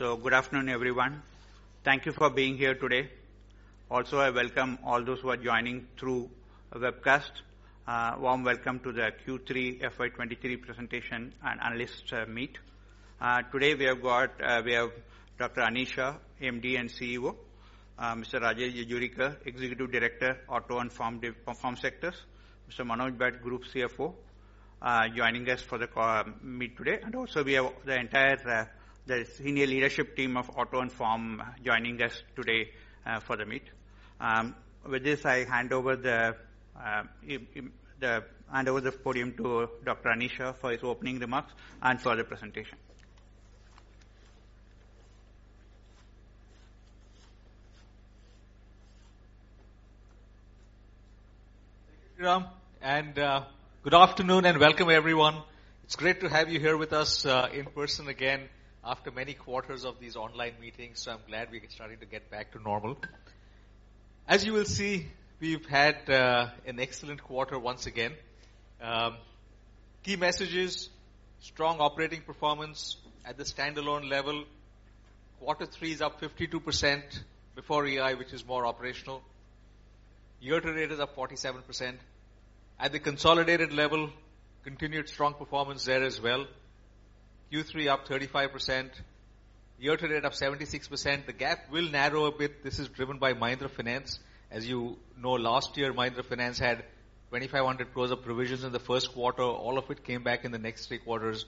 Good afternoon, everyone. Thank you for being here today. Also, I welcome all those who are joining through webcast. Warm welcome to the Q3 FY 2023 presentation and analyst meet. Today, we have got... we have Dr. Anish Shah, MD and CEO, Mr. Rajesh Jejurikar, Executive Director, Auto and Farm Sectors, Mr. Manoj Bhat, Group CFO, joining us for the meet today. Also, we have the entire senior leadership team of Auto and Farm joining us today for the meet. With this, I hand over the podium to Dr. Anish Shah for his opening remarks and for the presentation. Thank you, Sriram, good afternoon, and welcome, everyone. It's great to have you here with us in person again after many quarters of these online meetings. I'm glad we are starting to get back to normal. As you will see, we've had an excellent quarter once again. Key messages, strong operating performance at the standalone level. Q3 is up 52% before EI, which is more operational. Year-to-date is up 47%. At the consolidated level, continued strong performance there as well. Q3 up 35%, year-to-date up 76%. The gap will narrow a bit. This is driven by Mahindra Finance. As you know, last year, Mahindra Finance had 2,500 crores of provisions in the Q1. All of it came back in the next three quarters.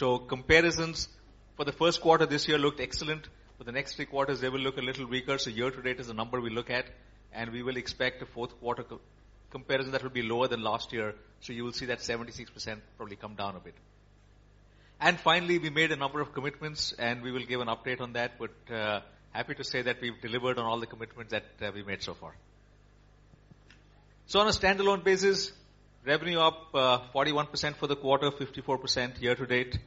Comparisons for the Q1 this year looked excellent. For the next 3 quarters, they will look a little weaker, so year-to-date is the number we look at, and we will expect a fourth quarter co-comparison that will be lower than last year. You will see that 76% probably come down a bit. Finally, we made a number of commitments, and we will give an update on that. Happy to say that we've delivered on all the commitments that we made so far. On a standalone basis, revenue up, 41% for the quarter, 54% year-to-date.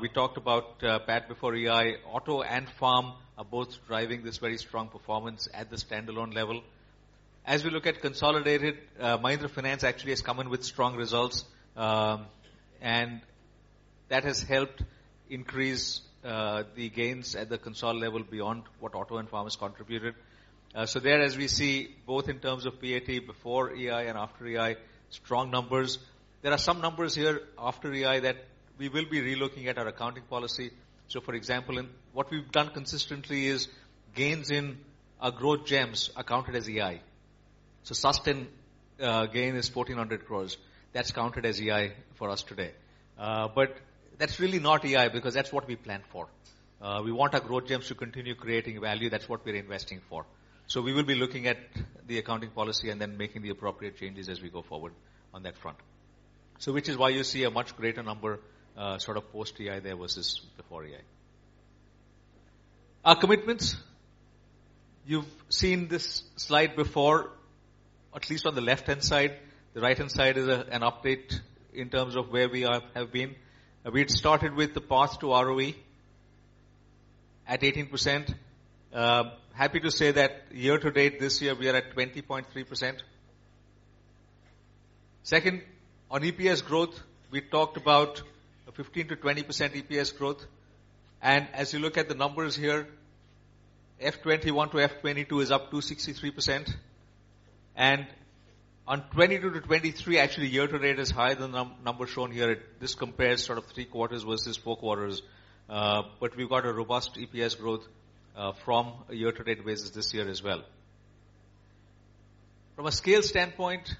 We talked about PAT before EI. Auto and Farm are both driving this very strong performance at the standalone level. As we look at consolidated, Mahindra Finance actually has come in with strong results, that has helped increase the gains at the console level beyond what Auto and Farm has contributed. There, as we see, both in terms of PAT before EI and after EI, strong numbers. There are some numbers here after EI that we will be relooking at our accounting policy. For example, in what we've done consistently is gains in our Growth Gems are counted as EI. Mahindra Susten gain is 1,400 crores. That's counted as EI for us today. That's really not EI because that's what we planned for. We want our Growth Gems to continue creating value. That's what we're investing for. We will be looking at the accounting policy and then making the appropriate changes as we go forward on that front. Which is why you see a much greater number, sort of post-EI there versus before EI. Our commitments, you've seen this slide before, at least on the left-hand side. The right-hand side is an update in terms of where we are, have been. We'd started with the path to ROE at 18%. happy to say that year-to-date this year, we are at 20.3%. Second, on EPS growth, we talked about a 15%-20% EPS growth. As you look at the numbers here, F 2021 to F 2022 is up 263%. On 2022 to 2023, actually year-to-date is higher than numbers shown here. This compares sort of 3 quarters versus 4 quarters. We've got a robust EPS growth from a year-to-date basis this year as well. From a scale standpoint,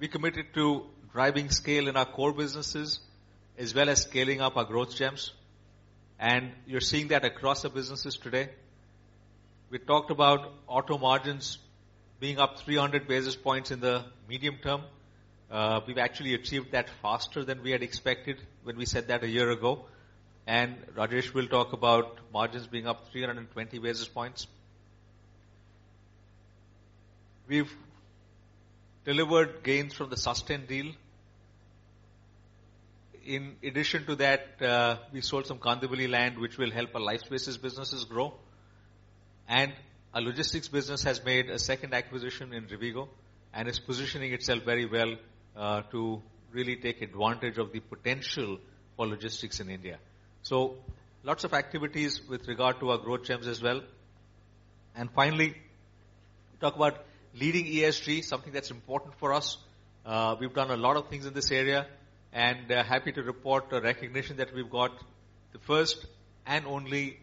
we committed to driving scale in our core businesses as well as scaling up our Growth Gems. You're seeing that across the businesses today. We talked about auto margins being up 300 basis points in the medium term. We've actually achieved that faster than we had expected when we said that a year ago. Rajesh will talk about margins being up 320 basis points. We've delivered gains from the Susten deal. In addition to that, we sold some Kandivali land, which will help our life spaces businesses grow. Our logistics business has made a second acquisition in Rivigo, and it's positioning itself very well to really take advantage of the potential for logistics in India. Lots of activities with regard to our Growth Gems as well. Finally, talk about leading ESG, something that's important for us. We've done a lot of things in this area, and happy to report a recognition that we've got the first and only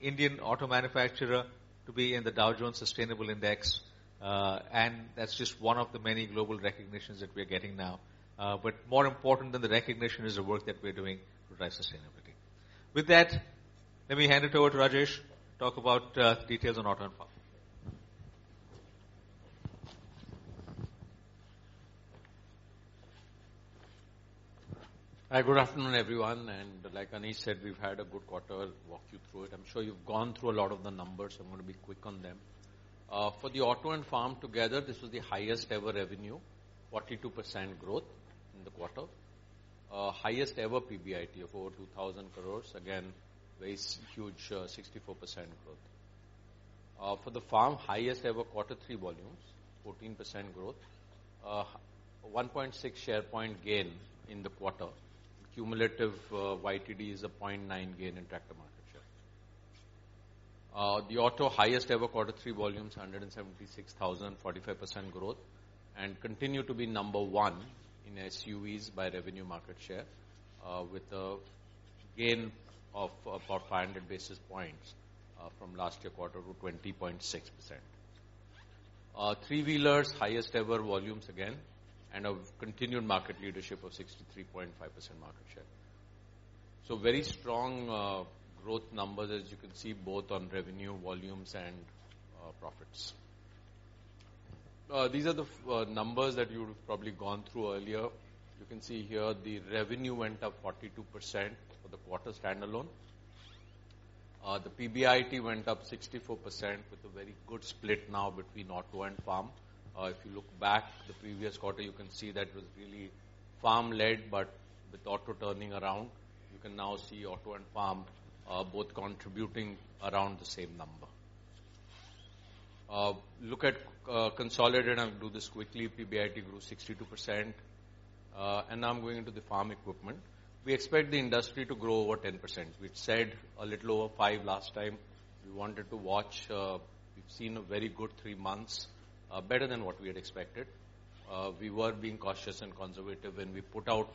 Indian auto manufacturer to be in the Dow Jones Sustainability Index. That's just one of the many global recognitions that we are getting now. More important than the recognition is the work that we're doing to drive sustainability. With that, let me hand it over to Rajesh, talk about details on Auto and Farm. Hi, good afternoon, everyone. Like Anish said, we've had a good quarter. I'll walk you through it. I'm sure you've gone through a lot of the numbers. I'm gonna be quick on them. For the Auto and Farm together, this was the highest ever revenue, 42% growth in the quarter. Highest ever PBIT of over 2,000 crore. Again, very huge, 64% growth. For the farm, highest ever quarter three volumes, 14% growth. 1.6 share point gain in the quarter. Cumulative, YTD is a 0.9 gain in tractor market share. The auto highest ever quarter three volumes, 176,000, 45% growth, and continue to be number one in SUVs by revenue market share, with a gain of about 500 basis points, from last year quarter to 20.6%. Three-wheelers, highest ever volumes again and a continued market leadership of 63.5% market share. Very strong growth numbers as you can see both on revenue volumes and profits. These are the numbers that you've probably gone through earlier. You can see here the revenue went up 42% for the quarter stand alone. The PBIT went up 64% with a very good split now between auto and farm. If you look back the previous quarter, you can see that it was really farm-led, but with auto turning around, you can now see auto and farm both contributing around the same number. Look at consolidated, I'll do this quickly. PBIT grew 62%. Now I'm going into the farm equipment. We expect the industry to grow over 10%. We've said a little over 5% last time. We wanted to watch. We've seen a very good 3 months, better than what we had expected. We were being cautious and conservative when we put out,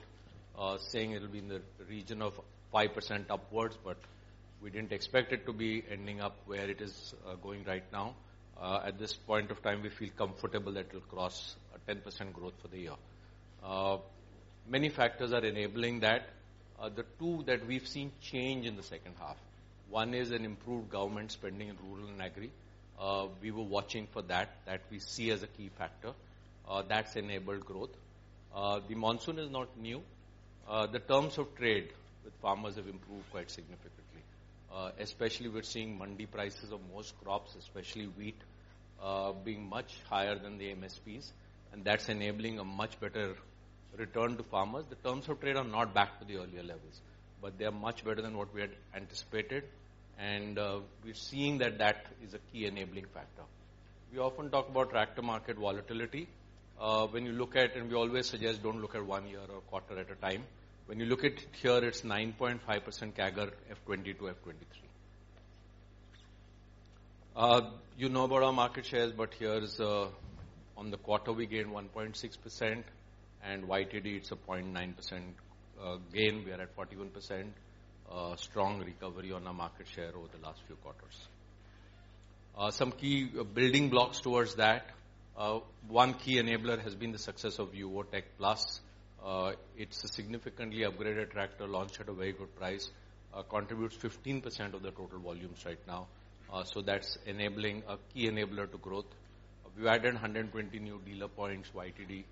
saying it'll be in the region of 5% upwards, but we didn't expect it to be ending up where it is going right now. At this point of time, we feel comfortable that it'll cross a 10% growth for the year. Many factors are enabling that. The two that we've seen change in the second half. One is an improved government spending in rural and agri. We were watching for that. That we see as a key factor. That's enabled growth. The monsoon is not new. The terms of trade with farmers have improved quite significantly. Especially we're seeing mandi prices of most crops, especially wheat, being much higher than the MSPs. That's enabling a much better return to farmers. The terms of trade are not back to the earlier levels, but they are much better than what we had anticipated. We're seeing that that is a key enabling factor. We often talk about tractor market volatility. When you look at, and we always suggest don't look at 1 year or 1 quarter at a time. When you look at here, it's 9.5% CAGR, F 2020 to F 2023. You know about our market shares, but here is on the quarter we gained 1.6% and YTD it's a 0.9% gain. We are at 41%. Strong recovery on our market share over the last few quarters. Some key building blocks towards that. One key enabler has been the success of Yuvo Tech+. It's a significantly upgraded tractor launched at a very good price, contributes 15% of the total volumes right now. That's enabling a key enabler to growth. We've added 120 new dealer points YTD.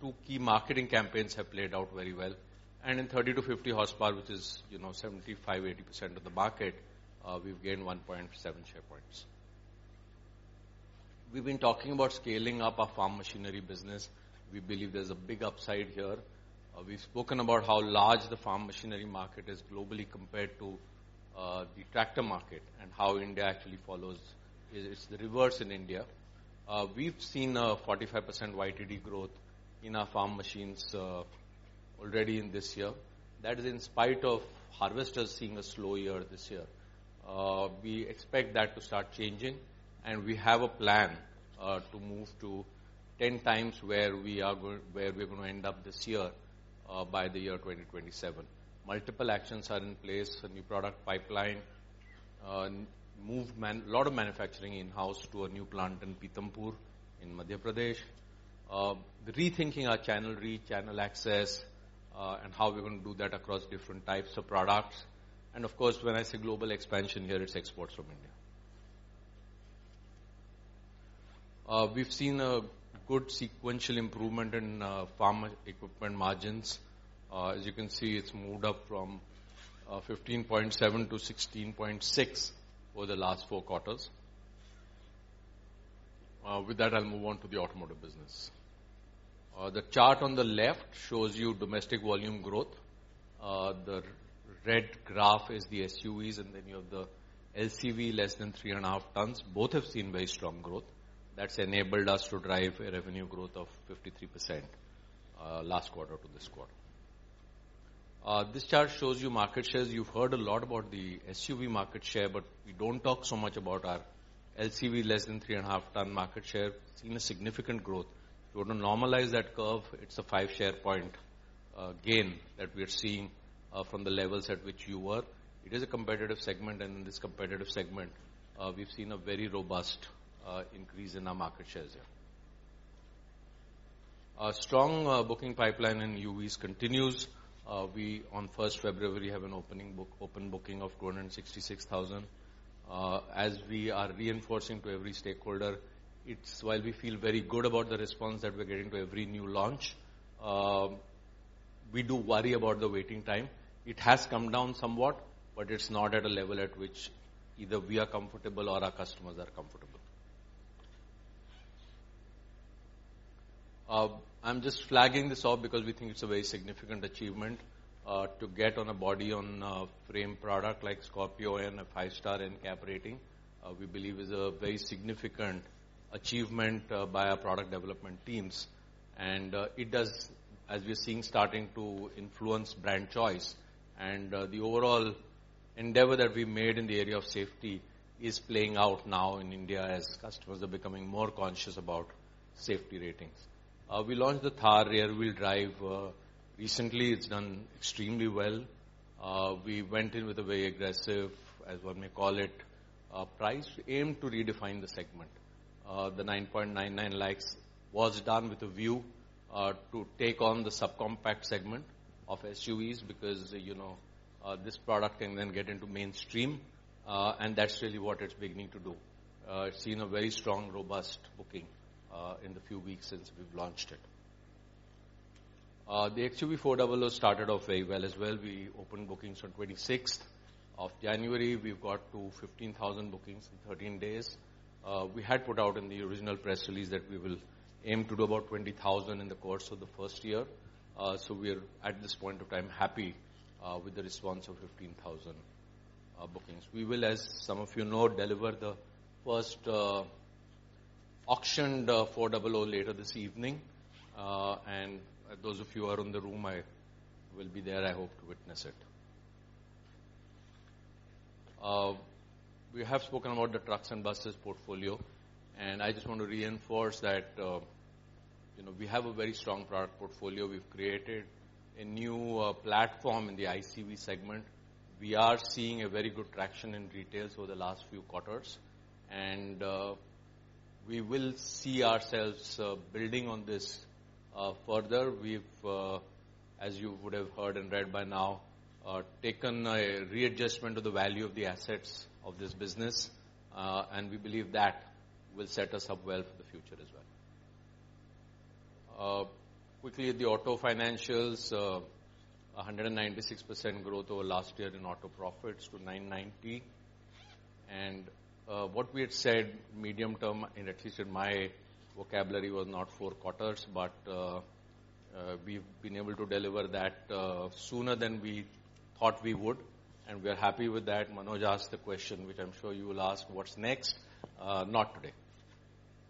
Two key marketing campaigns have played out very well. In 30 to 50 horsepower, which is, you know, 75%, 80% of the market, we've gained 1.7 share points. We've been talking about scaling up our farm machinery business. We believe there's a big upside here. We've spoken about how large the farm machinery market is globally compared to the tractor market and how India actually follows. It is the reverse in India. We've seen a 45% YTD growth in our farm machines already in this year. That is in spite of harvesters seeing a slow year this year. We expect that to start changing, and we have a plan to move to 10x where we're gonna end up this year by the year 2027. Multiple actions are in place, a new product pipeline, a lot of manufacturing in-house to a new plant in Pithampur in Madhya Pradesh. Rethinking our channel reach, channel access, and how we're gonna do that across different types of products. Of course, when I say global expansion here, it's exports from India. We've seen a good sequential improvement in farm equipment margins. As you can see, it's moved up from 15.7% to 16.6% over the last four quarters. With that, I'll move on to the automotive business. The chart on the left shows you domestic volume growth. The red graph is the SUVs and then you have the LCV less than 3.5 tons. Both have seen very strong growth. That's enabled us to drive a revenue growth of 53%, last quarter to this quarter. This chart shows you market shares. You've heard a lot about the SUV market share, we don't talk so much about our LCV less than 3.5 ton market share. Seen a significant growth. If you want to normalize that curve, it's a five share point gain that we're seeing from the levels at which you were. It is a competitive segment, in this competitive segment, we've seen a very robust increase in our market shares there. Our strong booking pipeline in UVs continues. We on first February have an open booking of 266,000. As we are reinforcing to every stakeholder, it's while we feel very good about the response that we're getting to every new launch, we do worry about the waiting time. It has come down somewhat, but it's not at a level at which either we are comfortable or our customers are comfortable. I'm just flagging this off because we think it's a very significant achievement, to get on a body-on-frame product like Scorpio and a 5-star NCAP rating. We believe is a very significant achievement by our product development teams. It does, as we're seeing, starting to influence brand choice. The overall endeavor that we made in the area of safety is playing out now in India as customers are becoming more conscious about safety ratings. We launched the Thar rear-wheel drive recently. It's done extremely well. We went in with a very aggressive, as one may call it, price aimed to redefine the segment. The 9.99 lakhs was done with a view to take on the subcompact segment of SUVs because, you know, this product can then get into mainstream, and that's really what it's beginning to do. It's seen a very strong, robust booking in the few weeks since we've launched it. The XUV400 started off very well as well. We opened bookings on 26th of January. We've got to 15,000 bookings in 13 days. We had put out in the original press release that we will aim to do about 20,000 in the course of the first year. We're, at this point of time, happy with the response of 15,000 bookings. We will, as some of you know, deliver the first XUV400 later this evening. Those of you who are in the room, I will be there, I hope to witness it. We have spoken about the trucks and buses portfolio, and I just want to reinforce that, you know, we have a very strong product portfolio. We've created a new platform in the ICV segment. We are seeing a very good traction in retail for the last few quarters, and we will see ourselves building on this further. We've, as you would have heard and read by now, taken a readjustment of the value of the assets of this business, and we believe that will set us up well for the future as well. quickly at the auto financials, 196% growth over last year in auto profits to 990. What we had said medium term, and at least in my vocabulary, was not 4 quarters, but we've been able to deliver that sooner than we thought we would, and we're happy with that. Manoj asked the question, which I'm sure you will ask, what's next? not today.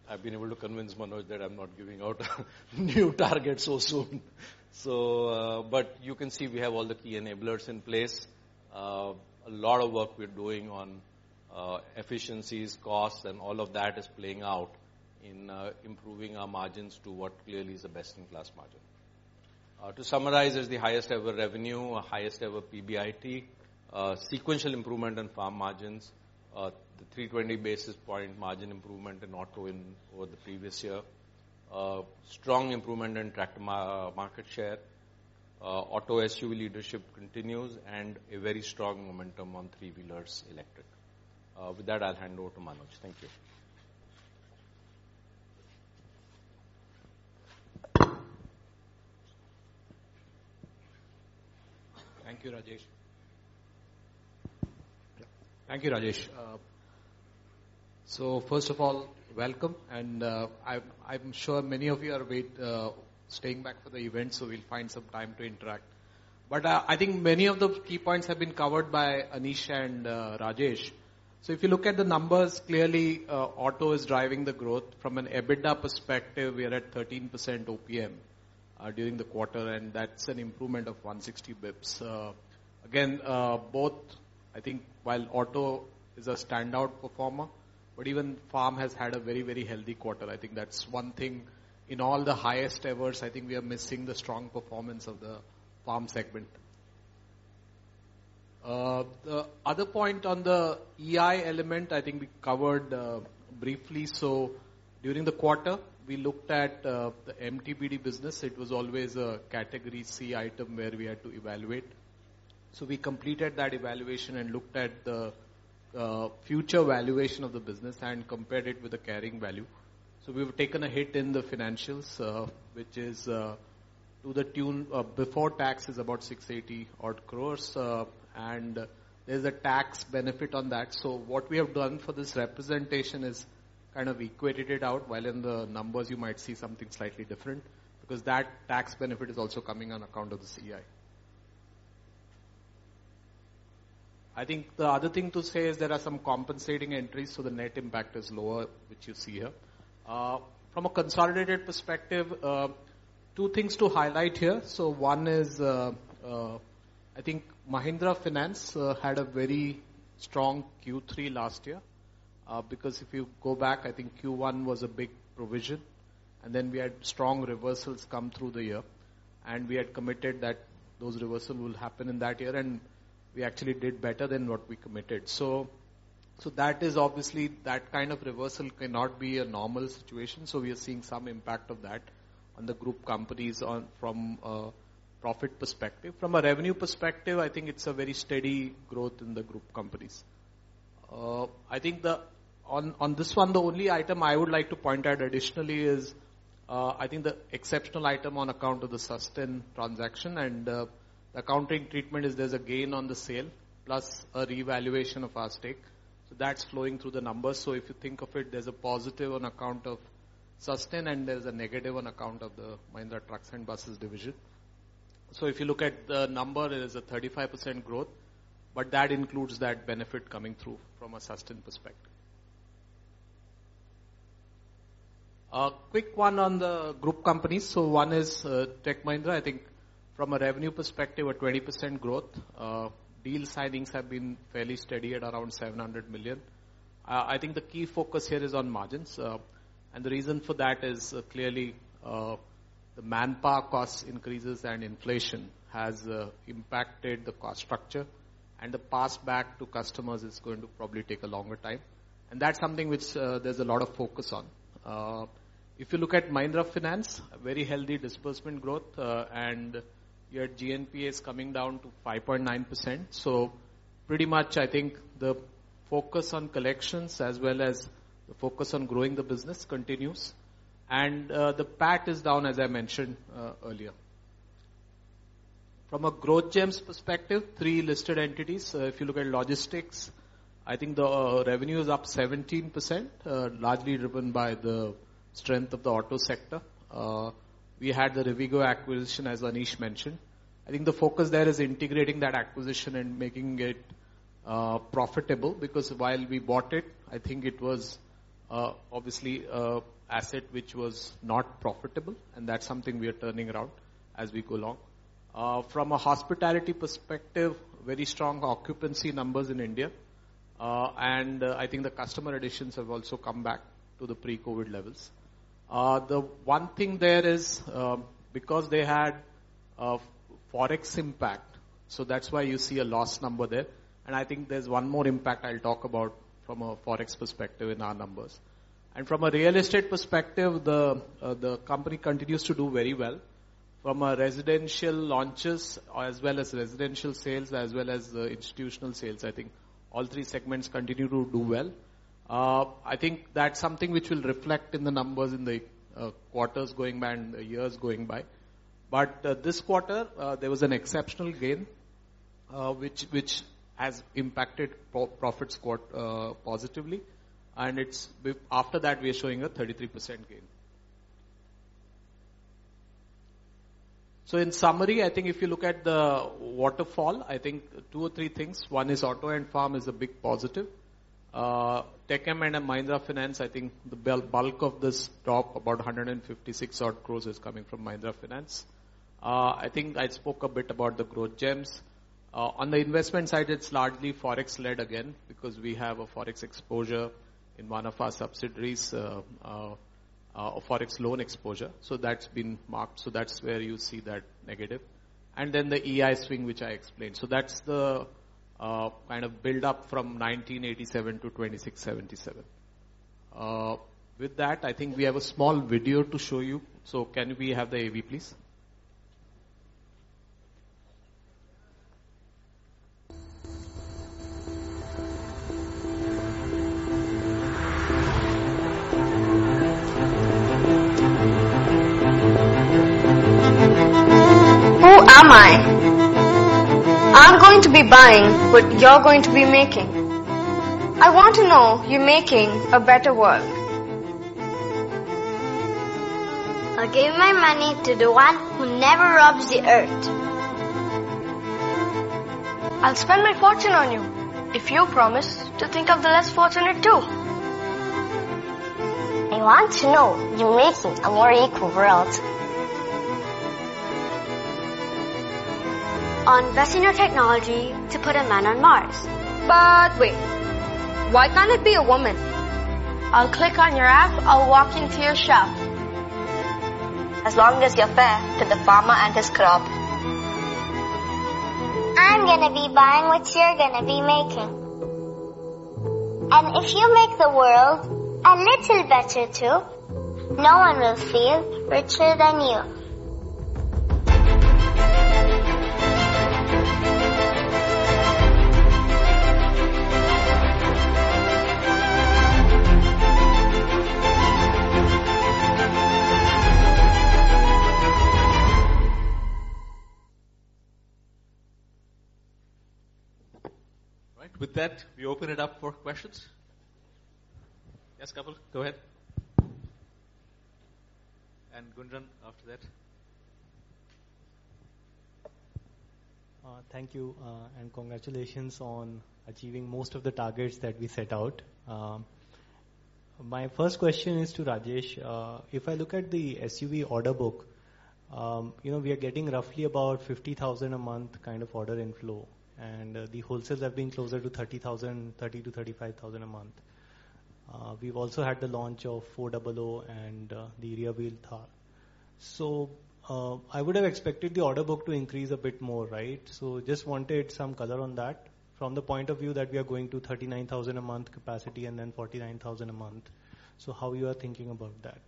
I've been able to convince Manoj that I'm not giving out new targets so soon. but you can see we have all the key enablers in place. a lot of work we're doing on efficiencies, costs, and all of that is playing out in improving our margins to what clearly is the best-in-class margin. To summarize, it's the highest ever revenue, highest ever PBIT, sequential improvement in Farm margins, the 320 basis point margin improvement in Auto over the previous year. Strong improvement in Tractor market share. Auto SUV leadership continues and a very strong momentum on three-wheelers electric. With that, I'll hand over to Manoj. Thank you. Thank you, Rajesh. Thank you, Rajesh. First of all, welcome. I'm sure many of you are staying back for the event, so we'll find some time to interact. I think many of the key points have been covered by Anish and, Rajesh. If you look at the numbers, clearly, Auto is driving the growth. From an EBITDA perspective, we are at 13% OPM during the quarter, and that's an improvement of 160 basis points. Both, I think while Auto is a standout performer, but even Farm has had a very, very healthy quarter. I think that's one thing in all the highest evers, I think we are missing the strong performance of the Farm segment. The other point on the EI element, I think we covered briefly. During the quarter, we looked at the MTBD business. It was always a category C item where we had to evaluate. We completed that evaluation and looked at the future valuation of the business and compared it with the carrying value. We've taken a hit in the financials, which is to the tune of before tax is about 680 odd crores, and there's a tax benefit on that. What we have done for this representation is kind of equated it out, while in the numbers you might see something slightly different, because that tax benefit is also coming on account of the CI. I think the other thing to say is there are some compensating entries, so the net impact is lower, which you see here. From a consolidated perspective, two things to highlight here. One is, I think Mahindra Finance had a very strong Q3 last year. If you go back, I think Q1 was a big provision, then we had strong reversals come through the year, we had committed that those reversal will happen in that year, we actually did better than what we committed. That is obviously, that kind of reversal cannot be a normal situation. We are seeing some impact of that on the group companies on from profit perspective. From a revenue perspective, I think it's a very steady growth in the group companies. I think on this one, the only item I would like to point out additionally is, I think the exceptional item on account of the Mahindra Susten transaction and the accounting treatment is there's a gain on the sale plus a revaluation of our stake. So that's flowing through the numbers. If you think of it, there's a positive on account of Mahindra Susten and there's a negative on account of the Mahindra Truck and Bus Division. If you look at the number, it is a 35% growth, but that includes that benefit coming through from a Mahindra Susten perspective. A quick one on the group companies. One is, Tech Mahindra. I think from a revenue perspective, a 20% growth. Deal signings have been fairly steady at around $700 million. I think the key focus here is on margins. The reason for that is, clearly, the manpower cost increases and inflation has impacted the cost structure and the passback to customers is going to probably take a longer time. That's something which there's a lot of focus on. If you look at Mahindra Finance, a very healthy disbursement growth, your GNPA is coming down to 5.9%. Pretty much I think the focus on collections as well as the focus on growing the business continues. The PAT is down, as I mentioned earlier. From a Growth Gems perspective, three listed entities. If you look at Logistics, I think the revenue is up 17%, largely driven by the strength of the auto sector. We had the Rivigo acquisition, as Anish mentioned. I think the focus there is integrating that acquisition and making it profitable, because while we bought it, I think it was obviously a asset which was not profitable, and that's something we are turning around as we go along. From a hospitality perspective, very strong occupancy numbers in India. I think the customer additions have also come back to the pre-COVID levels. The one thing there is, because they had a forex impact, that's why you see a loss number there. I think there's one more impact I'll talk about from a forex perspective in our numbers. From a real estate perspective, the company continues to do very well. From a residential launches as well as residential sales as well as institutional sales, I think all three segments continue to do well. I think that's something which will reflect in the numbers in the quarters going by and the years going by. This quarter, there was an exceptional gain, which has impacted pro-profits quite positively. After that, we are showing a 33% gain. In summary, I think if you look at the waterfall, I think two or three things. One is Auto & Farm is a big positive. Tech M&M, Mahindra Finance, I think the bulk of this drop, about 156 odd crores is coming from Mahindra Finance. I think I spoke a bit about the Growth Gems. On the investment side, it's largely forex-led again because we have a forex exposure in one of our subsidiaries, a forex loan exposure. That's been marked. That's where you see that negative. Then the EI swing, which I explained. That's the kind of build-up from 1,987 to 2,677. With that, I think we have a small video to show you. Can we have the AV, please? Who am I? I'm going to be buying what you're going to be making. I want to know you're making a better world. I'll give my money to the one who never robs the Earth. I'll spend my fortune on you if you promise to think of the less fortunate too. I want to know you're making a more equal world. I'll invest in your technology to put a man on Mars. Wait, why can't it be a woman? I'll click on your app. I'll walk into your shop. As long as you're fair to the farmer and his crop. I'm gonna be buying what you're gonna be making. If you make the world a little better too, no one will feel richer than you. Right. With that, we open it up for questions. Yes, Kapil, go ahead. Gunjan after that. Thank you, and congratulations on achieving most of the targets that we set out. My first question is to Rajesh. If I look at the SUV order book, you know, we are getting roughly about 50,000 a month kind of order inflow, and the wholesales have been closer to 30,000, 30,000-35,000 a month. We've also had the launch of XUV400 and the rear-wheel Thar. I would have expected the order book to increase a bit more, right? Just wanted some color on that from the point of view that we are going to 39,000 a month capacity and then 49,000 a month. How you are thinking about that?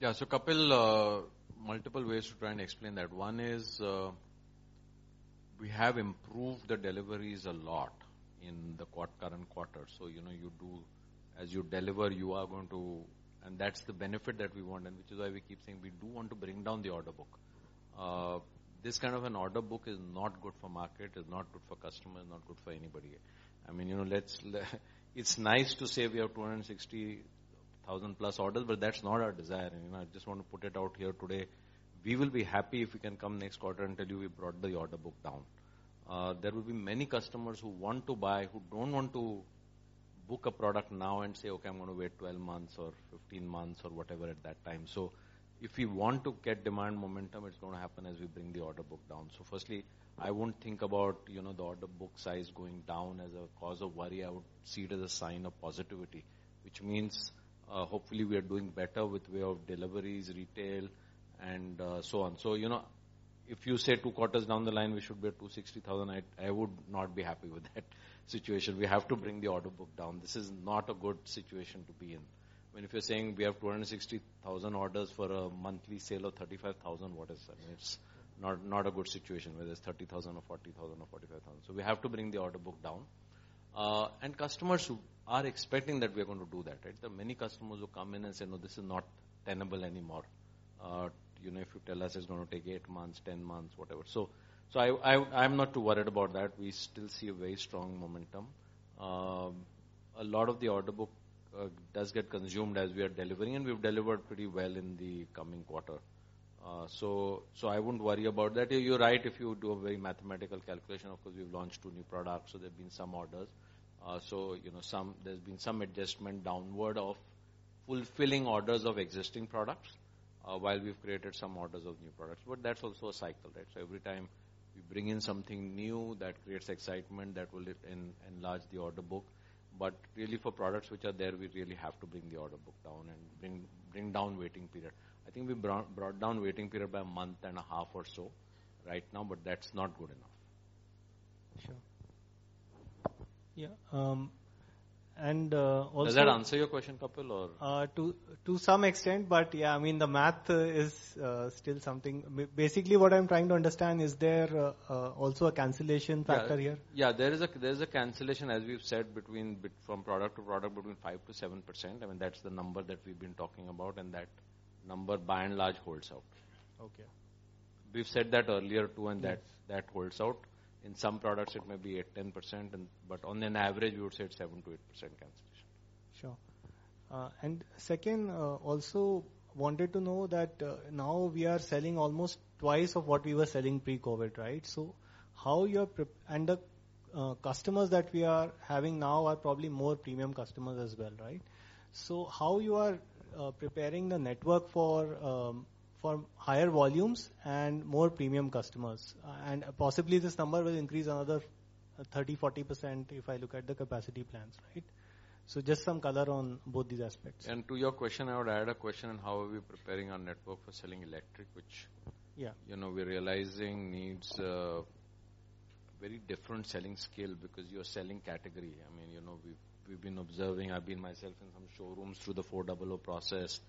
Yeah. Kapil, multiple ways to try and explain that. One is, we have improved the deliveries a lot In the current quarter. You know, as you deliver, you are going to... That's the benefit that we want, and which is why we keep saying we do want to bring down the order book. This kind of an order book is not good for market, it's not good for customer, it's not good for anybody. I mean, you know, it's nice to say we have 260,000+ orders, but that's not our desire. You know, I just wanna put it out here today. We will be happy if we can come next quarter and tell you we brought the order book down. There will be many customers who want to buy, who don't want to book a product now and say, "Okay, I'm gonna wait 12 months or 15 months," or whatever at that time. If we want to get demand momentum, it's gonna happen as we bring the order book down. Firstly, I wouldn't think about, you know, the order book size going down as a cause of worry. I would see it as a sign of positivity, which means, hopefully we are doing better with way of deliveries, retail and so on. You know, if you say two quarters down the line, we should be at 260,000, I would not be happy with that situation. We have to bring the order book down. This is not a good situation to be in. I mean, if you're saying we have 260,000 orders for a monthly sale of 35,000, what is that? I mean, it's not a good situation, whether it's 30,000 or 40,000 or 45,000. We have to bring the order book down. Customers are expecting that we are going to do that, right? There are many customers who come in and say, "No, this is not tenable anymore, you know, if you tell us it's going to take 8 months, 10 months," whatever. I'm not too worried about that. We still see a very strong momentum. A lot of the order book does get consumed as we are delivering, and we've delivered pretty well in the coming quarter. I wouldn't worry about that. You're right, if you do a very mathematical calculation, of course we've launched 2 new products, so there have been some orders. You know, some adjustment downward of fulfilling orders of existing products, while we've created some orders of new products. That's also a cycle, right? Every time we bring in something new, that creates excitement, that will enlarge the order book. Really for products which are there, we really have to bring the order book down and bring down waiting period. I think we brought down waiting period by a month and a half or so right now, but that's not good enough. Sure. Yeah, Does that answer your question, Kapil, or? to some extent, yeah, I mean, the math is still something... basically what I'm trying to understand, is there also a cancellation factor here? Yeah. There is a cancellation, as we've said, from product to product between 5%-7%. I mean, that's the number that we've been talking about, and that number by and large holds out. Okay. We've said that earlier, too, and that holds out. In some products it may be at 10% but on an average, we would say it's 7%-8% cancellation. Sure. Second, also wanted to know that now we are selling almost twice of what we were selling pre-COVID, right? How you're prep-- and the customers that we are having now are probably more premium customers as well, right? How you are preparing the network for higher volumes and more premium customers? Possibly this number will increase another 30%-40% if I look at the capacity plans, right? Just some color on both these aspects. To your question, I would add a question on how are we preparing our network for selling electric. Yeah you know, we're realizing needs a very different selling skill because you're selling category. I mean, you know, we've been observing, I've been myself in some showrooms through the XUV400 process.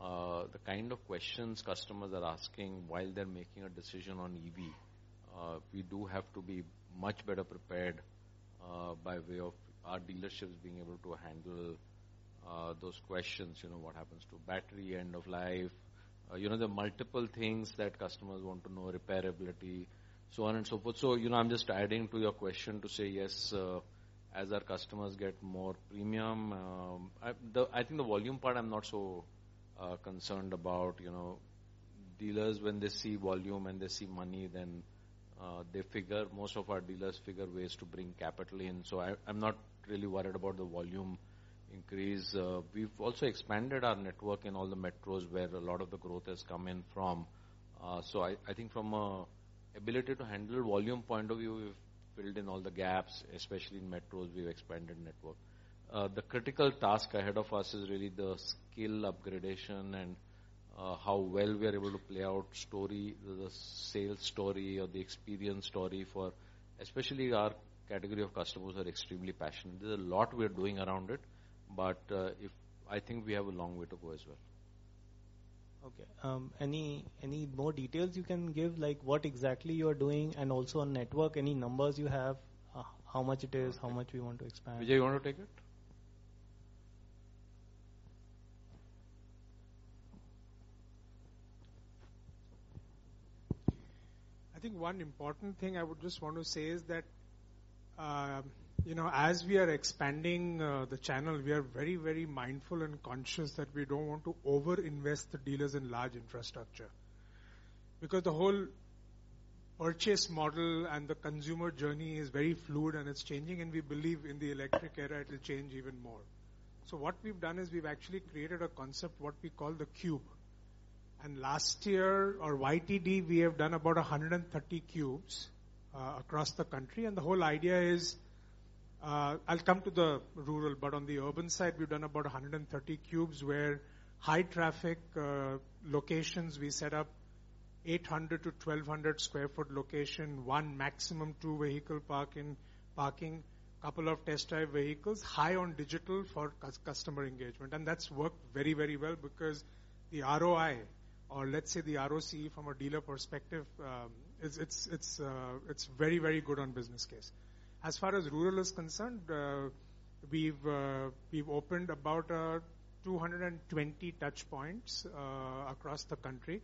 The kind of questions customers are asking while they're making a decision on EV, we do have to be much better prepared by way of our dealerships being able to handle those questions. You know, what happens to battery end of life? You know, the multiple things that customers want to know, repairability, so on and so forth. You know, I'm just adding to your question to say yes, as our customers get more premium, I think the volume part I'm not so concerned about. You know, dealers when they see volume and they see money, then they figure, most of our dealers figure ways to bring capital in. I'm not really worried about the volume increase. We've also expanded our network in all the metros where a lot of the growth has come in from. I think from a ability to handle volume point of view, we've filled in all the gaps, especially in metros, we've expanded network. The critical task ahead of us is really the skill up gradation and how well we are able to play out story, the sales story or the experience story for especially our category of customers are extremely passionate. There's a lot we are doing around it, but I think we have a long way to go as well. Okay. Any more details you can give? Like what exactly you are doing and also on network, any numbers you have, how much it is, how much we want to expand? Veejay, you wanna take it? I think one important thing I would just want to say is that, you know, as we are expanding the channel, we are very, very mindful and conscious that we don't want to overinvest the dealers in large infrastructure. Because the whole purchase model and the consumer journey is very fluid and it's changing, and we believe in the electric era it'll change even more. What we've done is we've actually created a concept, what we call the Cube. Last year or YTD, we have done about 130 Cubes across the country. The whole idea is, I'll come to the rural, but on the urban side, we've done about 130 Cube where high traffic locations, we set up 800-1,200 sq ft location, 1 maximum 2 vehicle parking, couple of test drive vehicles, high on digital for customer engagement. That's worked very, very well because the ROI or let's say the ROC from a dealer perspective, it's very, very good on business case. As far as rural is concerned, we've opened about 220 touchpoints across the country.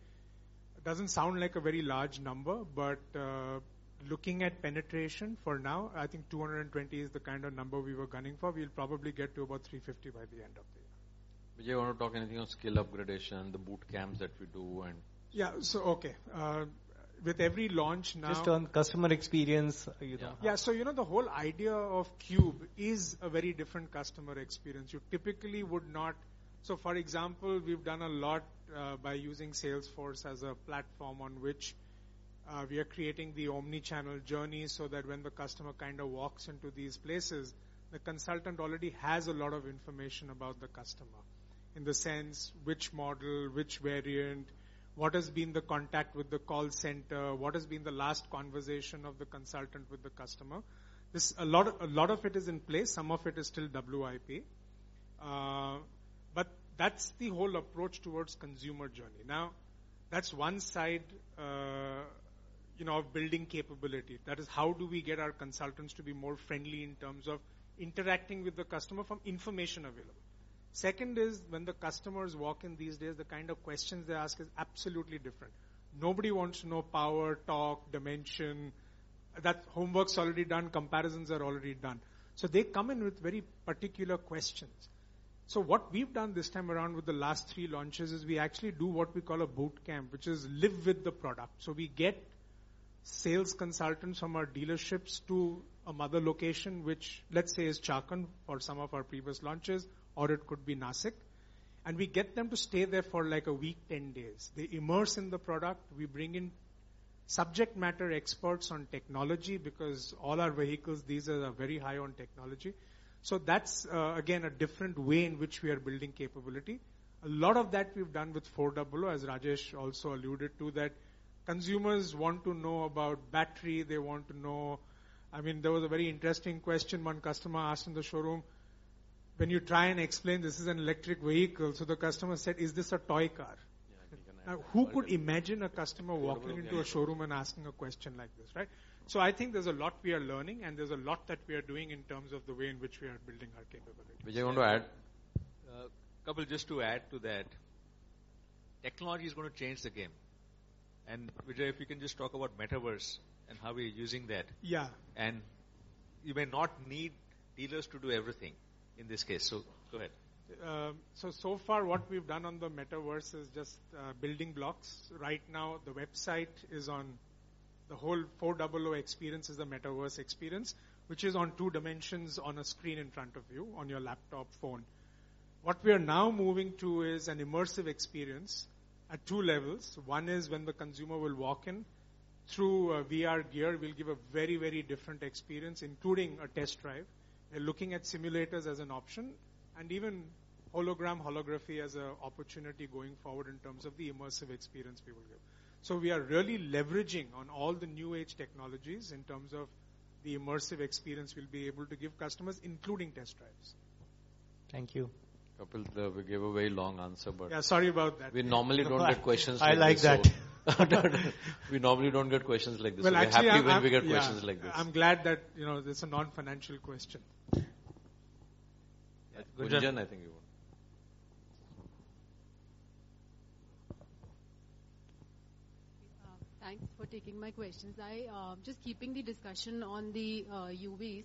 Doesn't sound like a very large number, but looking at penetration for now, I think 220 is the kind of number we were gunning for. We'll probably get to about 350 by the end of the year. Veejay, you wanna talk anything on skill up gradation, the boot camps that we do and... Yeah. Okay. Just on customer experience. Yeah. Yeah. You know, the whole idea of Cube is a very different customer experience. You typically would not. For example, we've done a lot by using Salesforce as a platform on which we are creating the omni-channel journey so that when the customer kind of walks into these places, the consultant already has a lot of information about the customer. In the sense which model, which variant, what has been the contact with the call center, what has been the last conversation of the consultant with the customer. A lot of it is in place. Some of it is still WIP. That's the whole approach towards consumer journey. That's one side, you know, of building capability. That is, how do we get our consultants to be more friendly in terms of interacting with the customer from information available? Second is, when the customers walk in these days, the kind of questions they ask is absolutely different. Nobody wants to know power, torque, dimension. That homework's already done, comparisons are already done. They come in with very particular questions. What we've done this time around with the last three launches is we actually do what we call a boot camp, which is live with the product. We get sales consultants from our dealerships to a mother location, which let's say is Chakan for some of our previous launches, or it could be Nasik. We get them to stay there for like a week, 10 days. They immerse in the product. We bring in subject matter experts on technology because all our vehicles, these are very high on technology. That's again, a different way in which we are building capability. A lot of that we've done with XUV400, as Rajesh also alluded to that. Consumers want to know about battery, they want to know. I mean, there was a very interesting question one customer asked in the showroom. When you try and explain this is an electric vehicle, so the customer said, "Is this a toy car? Yeah. Who could imagine a customer walking into a showroom and asking a question like this, right? I think there's a lot we are learning, and there's a lot that we are doing in terms of the way in which we are building our capabilities. Anish, you want to add? Kapil, just to add to that, technology is gonna change the game. Veejay, if you can just talk about Metaverse and how we're using that. Yeah. You may not need dealers to do everything in this case. Go ahead. So far what we've done on the Metaverse is just building blocks. Right now, the website is on the whole 400 experience is a Metaverse experience, which is on two dimensions on a screen in front of you on your laptop, phone. What we are now moving to is an immersive experience at two levels. One is when the consumer will walk in through a VR gear. We'll give a very, very different experience, including a test drive. We're looking at simulators as an option and even hologram, holography as an opportunity going forward in terms of the immersive experience we will give. We are really leveraging on all the new age technologies in terms of the immersive experience we'll be able to give customers, including test drives. Thank you. Kapil, we gave a very long answer. Yeah, sorry about that. We normally don't get questions like this, so-. I like that. We normally don't get questions like this. Well, actually, I'm. We're happy when we get questions like this. Yeah. I'm glad that, you know, this is a non-financial question. Gunjan, I think you want. Thanks for taking my questions. I, just keeping the discussion on the UVs.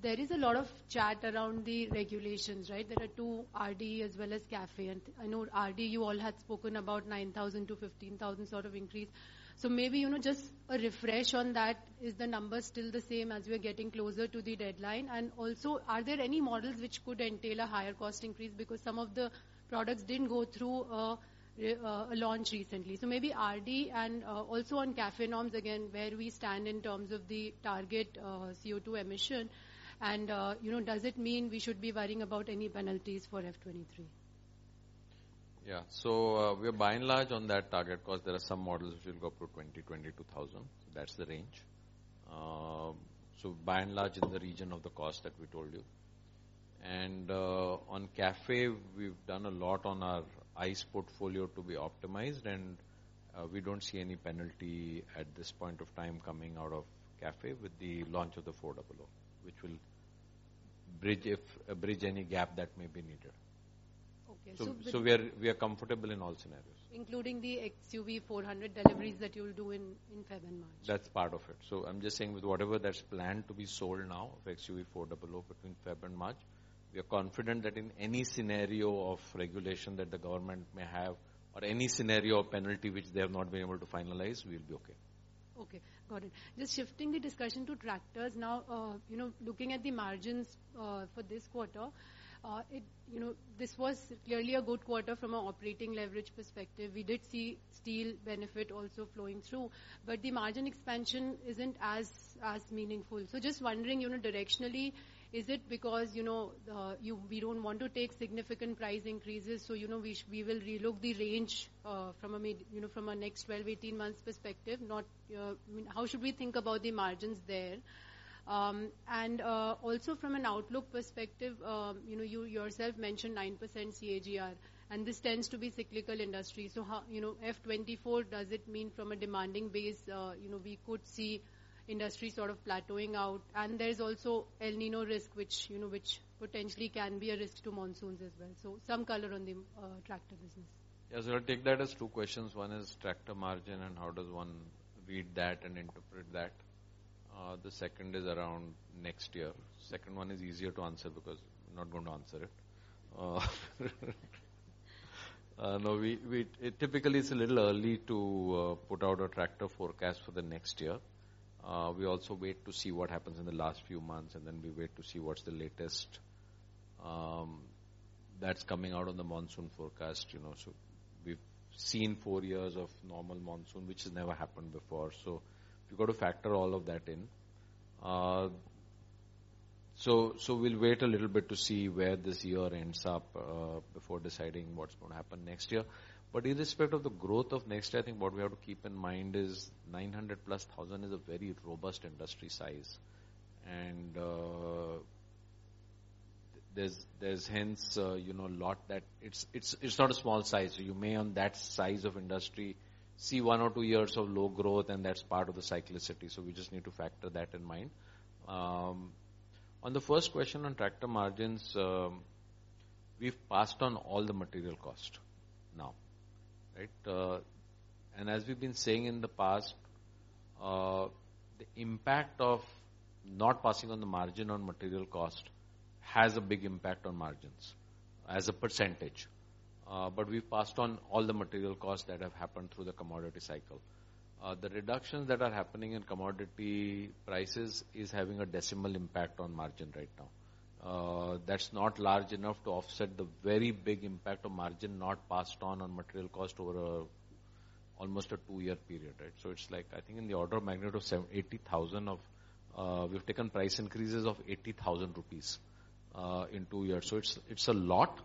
There is a lot of chat around the regulations, right? There are two RDE as well as CAFE. I know RDE, you all had spoken about 9,000-15,000 sort of increase. Maybe, you know, just a refresh on that. Is the number still the same as we're getting closer to the deadline? Also, are there any models which could entail a higher cost increase because some of the products didn't go through a launch recently. Maybe RDE and also on CAFE norms, again, where we stand in terms of the target CO2 emission. Does it mean we should be worrying about any penalties for FY 2023? Yeah. We're by and large on that target, because there are some models which will go up to 20,000-22,000. That's the range. By and large in the region of the cost that we told you. On CAFE, we've done a lot on our ICE portfolio to be optimized, we don't see any penalty at this point of time coming out of CAFE with the launch of the 400, which will bridge any gap that may be needed. Okay. We are comfortable in all scenarios. Including the XUV400 deliveries that you'll do in February and March. That's part of it. I'm just saying with whatever that's planned to be sold now of XUV400 between February and March, we are confident that in any scenario of regulation that the government may have or any scenario of penalty which they have not been able to finalize, we'll be okay. Okay. Got it. Just shifting the discussion to tractors now. You know, looking at the margins for this quarter, you know, this was clearly a good quarter from a operating leverage perspective. We did see steel benefit also flowing through. The margin expansion isn't as meaningful. Just wondering, you know, directionally, is it because, you know, we don't want to take significant price increases, you know, we will relook the range from a next 12, 18 months perspective? I mean, how should we think about the margins there? Also from an outlook perspective, you know, you yourself mentioned 9% CAGR, this tends to be cyclical industry. How, you know, F 2024, does it mean from a demanding base, you know, we could see industry sort of plateauing out? There's also El Niño risk, which, you know, which potentially can be a risk to monsoons as well. Some color on the tractor business. Yes. I'll take that as two questions. One is tractor margin and how does one read that and interpret that. The second is around next year. Second one is easier to answer because I'm not going to answer it. No, it typically is a little early to put out a tractor forecast for the next year. We also wait to see what happens in the last few months, and then we wait to see what's the latest that's coming out on the monsoon forecast, you know. We've seen 4 years of normal monsoon, which has never happened before. We've got to factor all of that in. We'll wait a little bit to see where this year ends up before deciding what's going to happen next year. Irrespective of the growth of next year, I think what we have to keep in mind is 900,000+ is a very robust industry size. There's hence, you know, lot that. It's not a small size. You may, on that size of industry, see 1 or 2 years of low growth, and that's part of the cyclicity, we just need to factor that in mind. On the first question on tractor margins, we've passed on all the material cost now, right? As we've been saying in the past, the impact of not passing on the margin on material cost has a big impact on margins as a percentage. We've passed on all the material costs that have happened through the commodity cycle. The reductions that are happening in commodity prices is having a decimal impact on margin right now. That's not large enough to offset the very big impact of margin not passed on material cost over almost a 2-year period, right? It's like, I think in the order of magnitude of 80,000, we've taken price increases of 80,000 rupees in 2 years. It's a lot.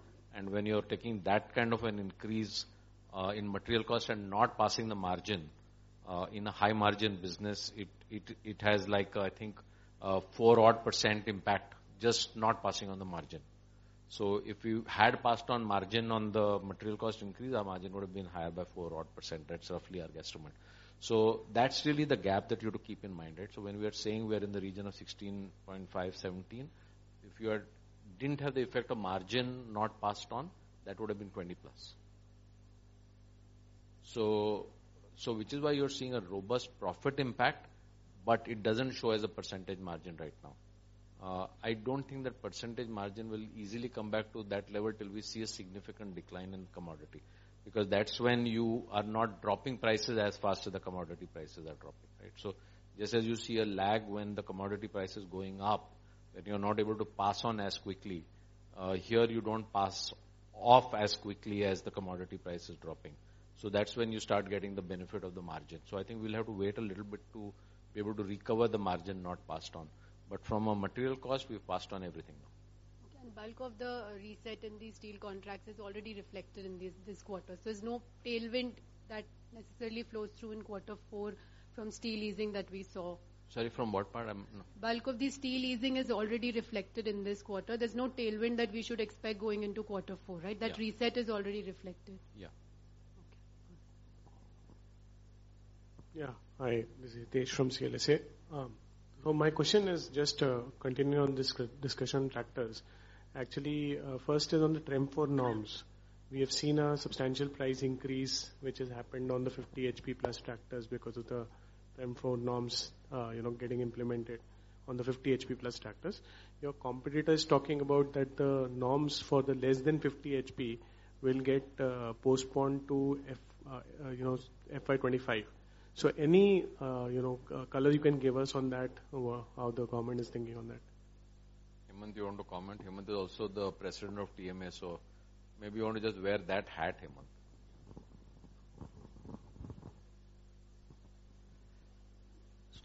When you're taking that kind of an increase in material cost and not passing the margin in a high margin business, it has like, I think, a 4 odd percent impact just not passing on the margin. If you had passed on margin on the material cost increase, our margin would have been higher by 4 odd percent. That's roughly our guesstimate. That's really the gap that you have to keep in mind, right? When we are saying we are in the region of 16.5%, 17%, if you didn't have the effect of margin not passed on, that would have been 20%+. Which is why you're seeing a robust profit impact, but it doesn't show as a percentage margin right now. I don't think that percentage margin will easily come back to that level till we see a significant decline in commodity, because that's when you are not dropping prices as fast as the commodity prices are dropping, right? Just as you see a lag when the commodity price is going up, that you're not able to pass on as quickly, here you don't pass off as quickly as the commodity price is dropping. That's when you start getting the benefit of the margin. I think we'll have to wait a little bit to be able to recover the margin not passed on. From a material cost, we've passed on everything now. Okay. Bulk of the reset in the steel contracts is already reflected in this quarter. There's no tailwind that necessarily flows through in quarter four from steel easing that we saw. Sorry, from what part? I'm... Bulk of the steel easing is already reflected in this quarter. There's no tailwind that we should expect going into quarter four, right? Yeah. That reset is already reflected. Yeah. Okay. Hi, this is Hitesh from CLSA. My question is just continuing on this discussion tractors. Actually, first is on the TREM IV norms. We have seen a substantial price increase which has happened on the 50 HP plus tractors because of the TREM IV norms, you know, getting implemented on the 50 HP plus tractors. Your competitor is talking about that the norms for the less than 50 HP will get postponed to, you know, FY 2025. Any, you know, color you can give us on that or how the government is thinking on that? Hemant, do you want to comment? Hemant is also the president of TMA, maybe you want to just wear that hat, Hemant.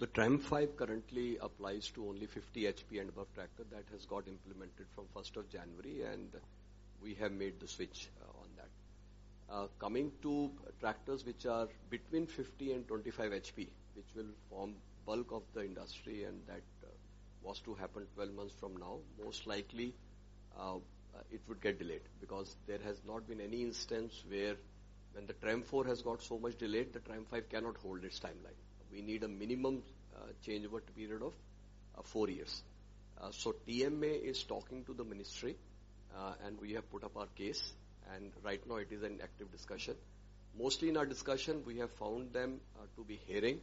The TREM V currently applies to only 50 HP and above tractor. That has got implemented from 1st of January, and we have made the switch on that. Coming to tractors which are between 50 and 25 HP, which will form bulk of the industry and that was to happen 12 months from now, most likely, it would get delayed because there has not been any instance where when the TREM IV has got so much delayed, the TREM V cannot hold its timeline. We need a minimum changeover period of 4 years. TMA is talking to the ministry, and we have put up our case, and right now it is an active discussion. Mostly in our discussion, we have found them to be hearing,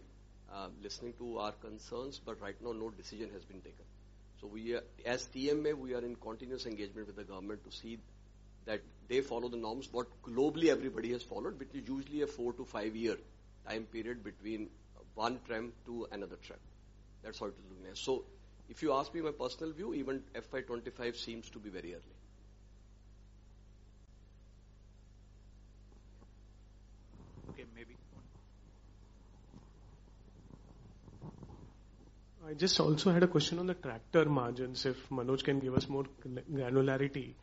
listening to our concerns, but right now, no decision has been taken. As TMA, we are in continuous engagement with the government to see that they follow the norms what globally everybody has followed, which is usually a four to five year time period between one TREM to another TREM. That's what it is doing there. If you ask me my personal view, even FY 2025 seems to be very early. Okay, maybe- I just also had a question on the tractor margins, if Manoj can give us more granularity.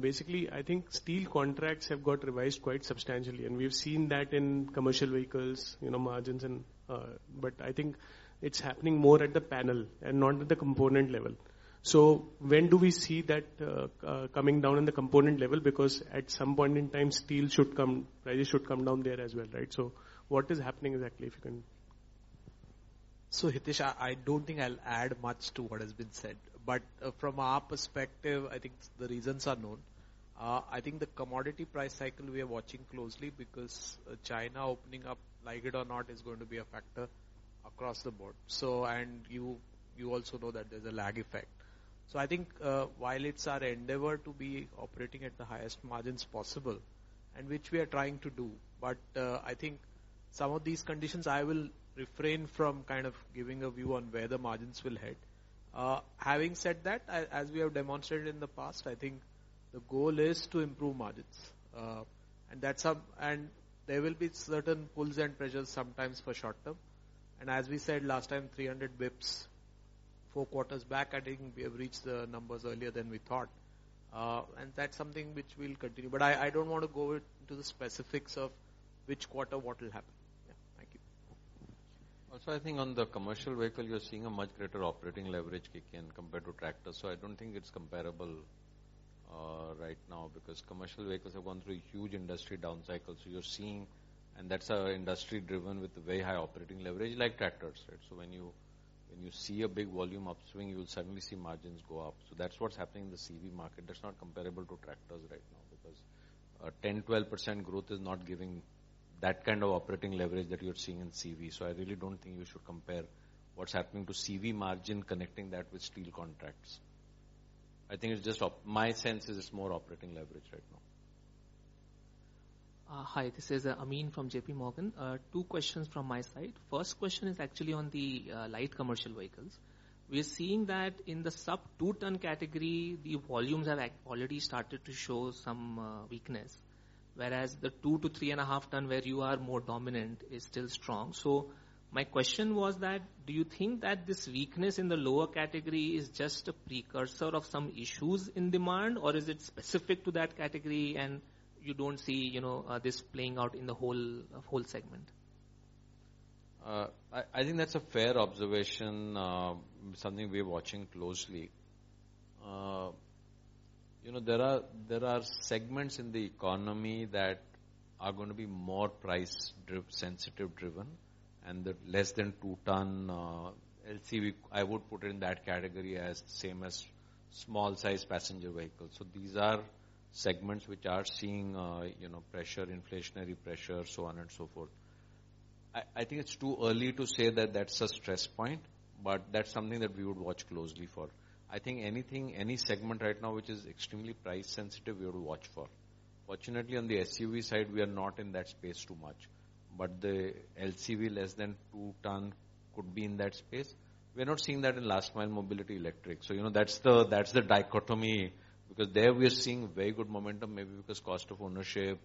Basically, I think steel contracts have got revised quite substantially, and we've seen that in commercial vehicles, you know, margins and, but I think it's happening more at the panel and not at the component level. When do we see that coming down in the component level? Because at some point in time, steel prices should come down there as well, right? What is happening exactly, if you can... Hitesh, I don't think I'll add much to what has been said. From our perspective, I think the reasons are known. I think the commodity price cycle we are watching closely because China opening up, like it or not, is going to be a factor. Across the board. You also know that there's a lag effect. I think, while it's our endeavor to be operating at the highest margins possible and which we are trying to do, but I think some of these conditions I will refrain from kind of giving a view on where the margins will head. Having said that, as we have demonstrated in the past, I think the goal is to improve margins. That's some... There will be certain pulls and pressures sometimes for short term. As we said last time, 300 basis points, 4 quarters back, I think we have reached the numbers earlier than we thought. That's something which we'll continue. I don't wanna go into the specifics of which quarter what will happen. Yeah. Thank you. Also, I think on the commercial vehicle, you're seeing a much greater operating leverage kick in compared to tractors. I don't think it's comparable right now because commercial vehicles have gone through a huge industry downcycle. And that's an industry driven with very high operating leverage like tractors, right? When you see a big volume upswing, you'll suddenly see margins go up. That's what's happening in the CV market. That's not comparable to tractors right now because a 10%, 12% growth is not giving that kind of operating leverage that you're seeing in CV. I really don't think you should compare what's happening to CV margin connecting that with steel contracts. I think it's just My sense is it's more operating leverage right now. Hi, this is Amyn from JP Morgan. Two questions from my side. First question is actually on the light commercial vehicles. We are seeing that in the sub 2 tonne category, the volumes have already started to show some weakness, whereas the 2 to 3.5 tonne where you are more dominant is still strong. My question was that do you think that this weakness in the lower category is just a precursor of some issues in demand, or is it specific to that category and you don't see, you know, this playing out in the whole segment? I think that's a fair observation, something we're watching closely. You know, there are segments in the economy that are gonna be more price sensitive driven and the less than 2 tonne LCV, I would put it in that category as same as small sized passenger vehicles. These are segments which are seeing, you know, pressure, inflationary pressure, so on and so forth. I think it's too early to say that that's a stress point, but that's something that we would watch closely for. I think anything, any segment right now which is extremely price sensitive we have to watch for. Fortunately on the SUV side, we are not in that space too much. The LCV less than 2 tonne could be in that space. We're not seeing that in last mile mobility electric. That's the dichotomy because there we are seeing very good momentum maybe because cost of ownership,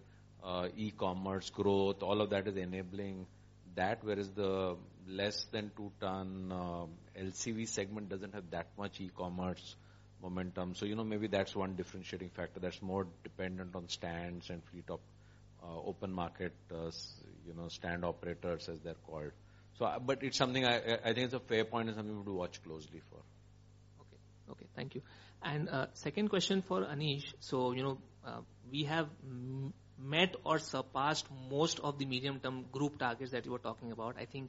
e-commerce growth, all of that is enabling that, whereas the less than two tonne LCV segment doesn't have that much e-commerce momentum. Maybe that's one differentiating factor that's more dependent on stands and fleet of open market, you know, stand operators as they're called. But it's something I think it's a fair point and something we would watch closely for. Okay. Okay. Thank you. Second question for Anish. You know, we have met or surpassed most of the medium term group targets that you were talking about. I think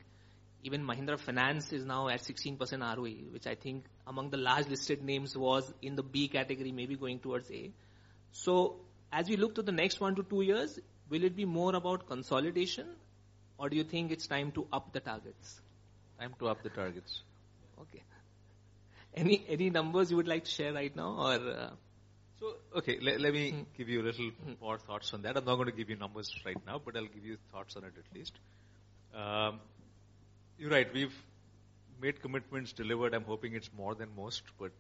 even Mahindra Finance is now at 16% ROE, which I think among the large listed names was in the B category, maybe going towards A. As we look to the next one to two years, will it be more about consolidation or do you think it's time to up the targets? Time to up the targets. Okay. Any numbers you would like to share right now or? Okay. Let me give you a little more thoughts on that. I'm not gonna give you numbers right now, but I'll give you thoughts on it at least. You're right, we've made commitments delivered. I'm hoping it's more than most, but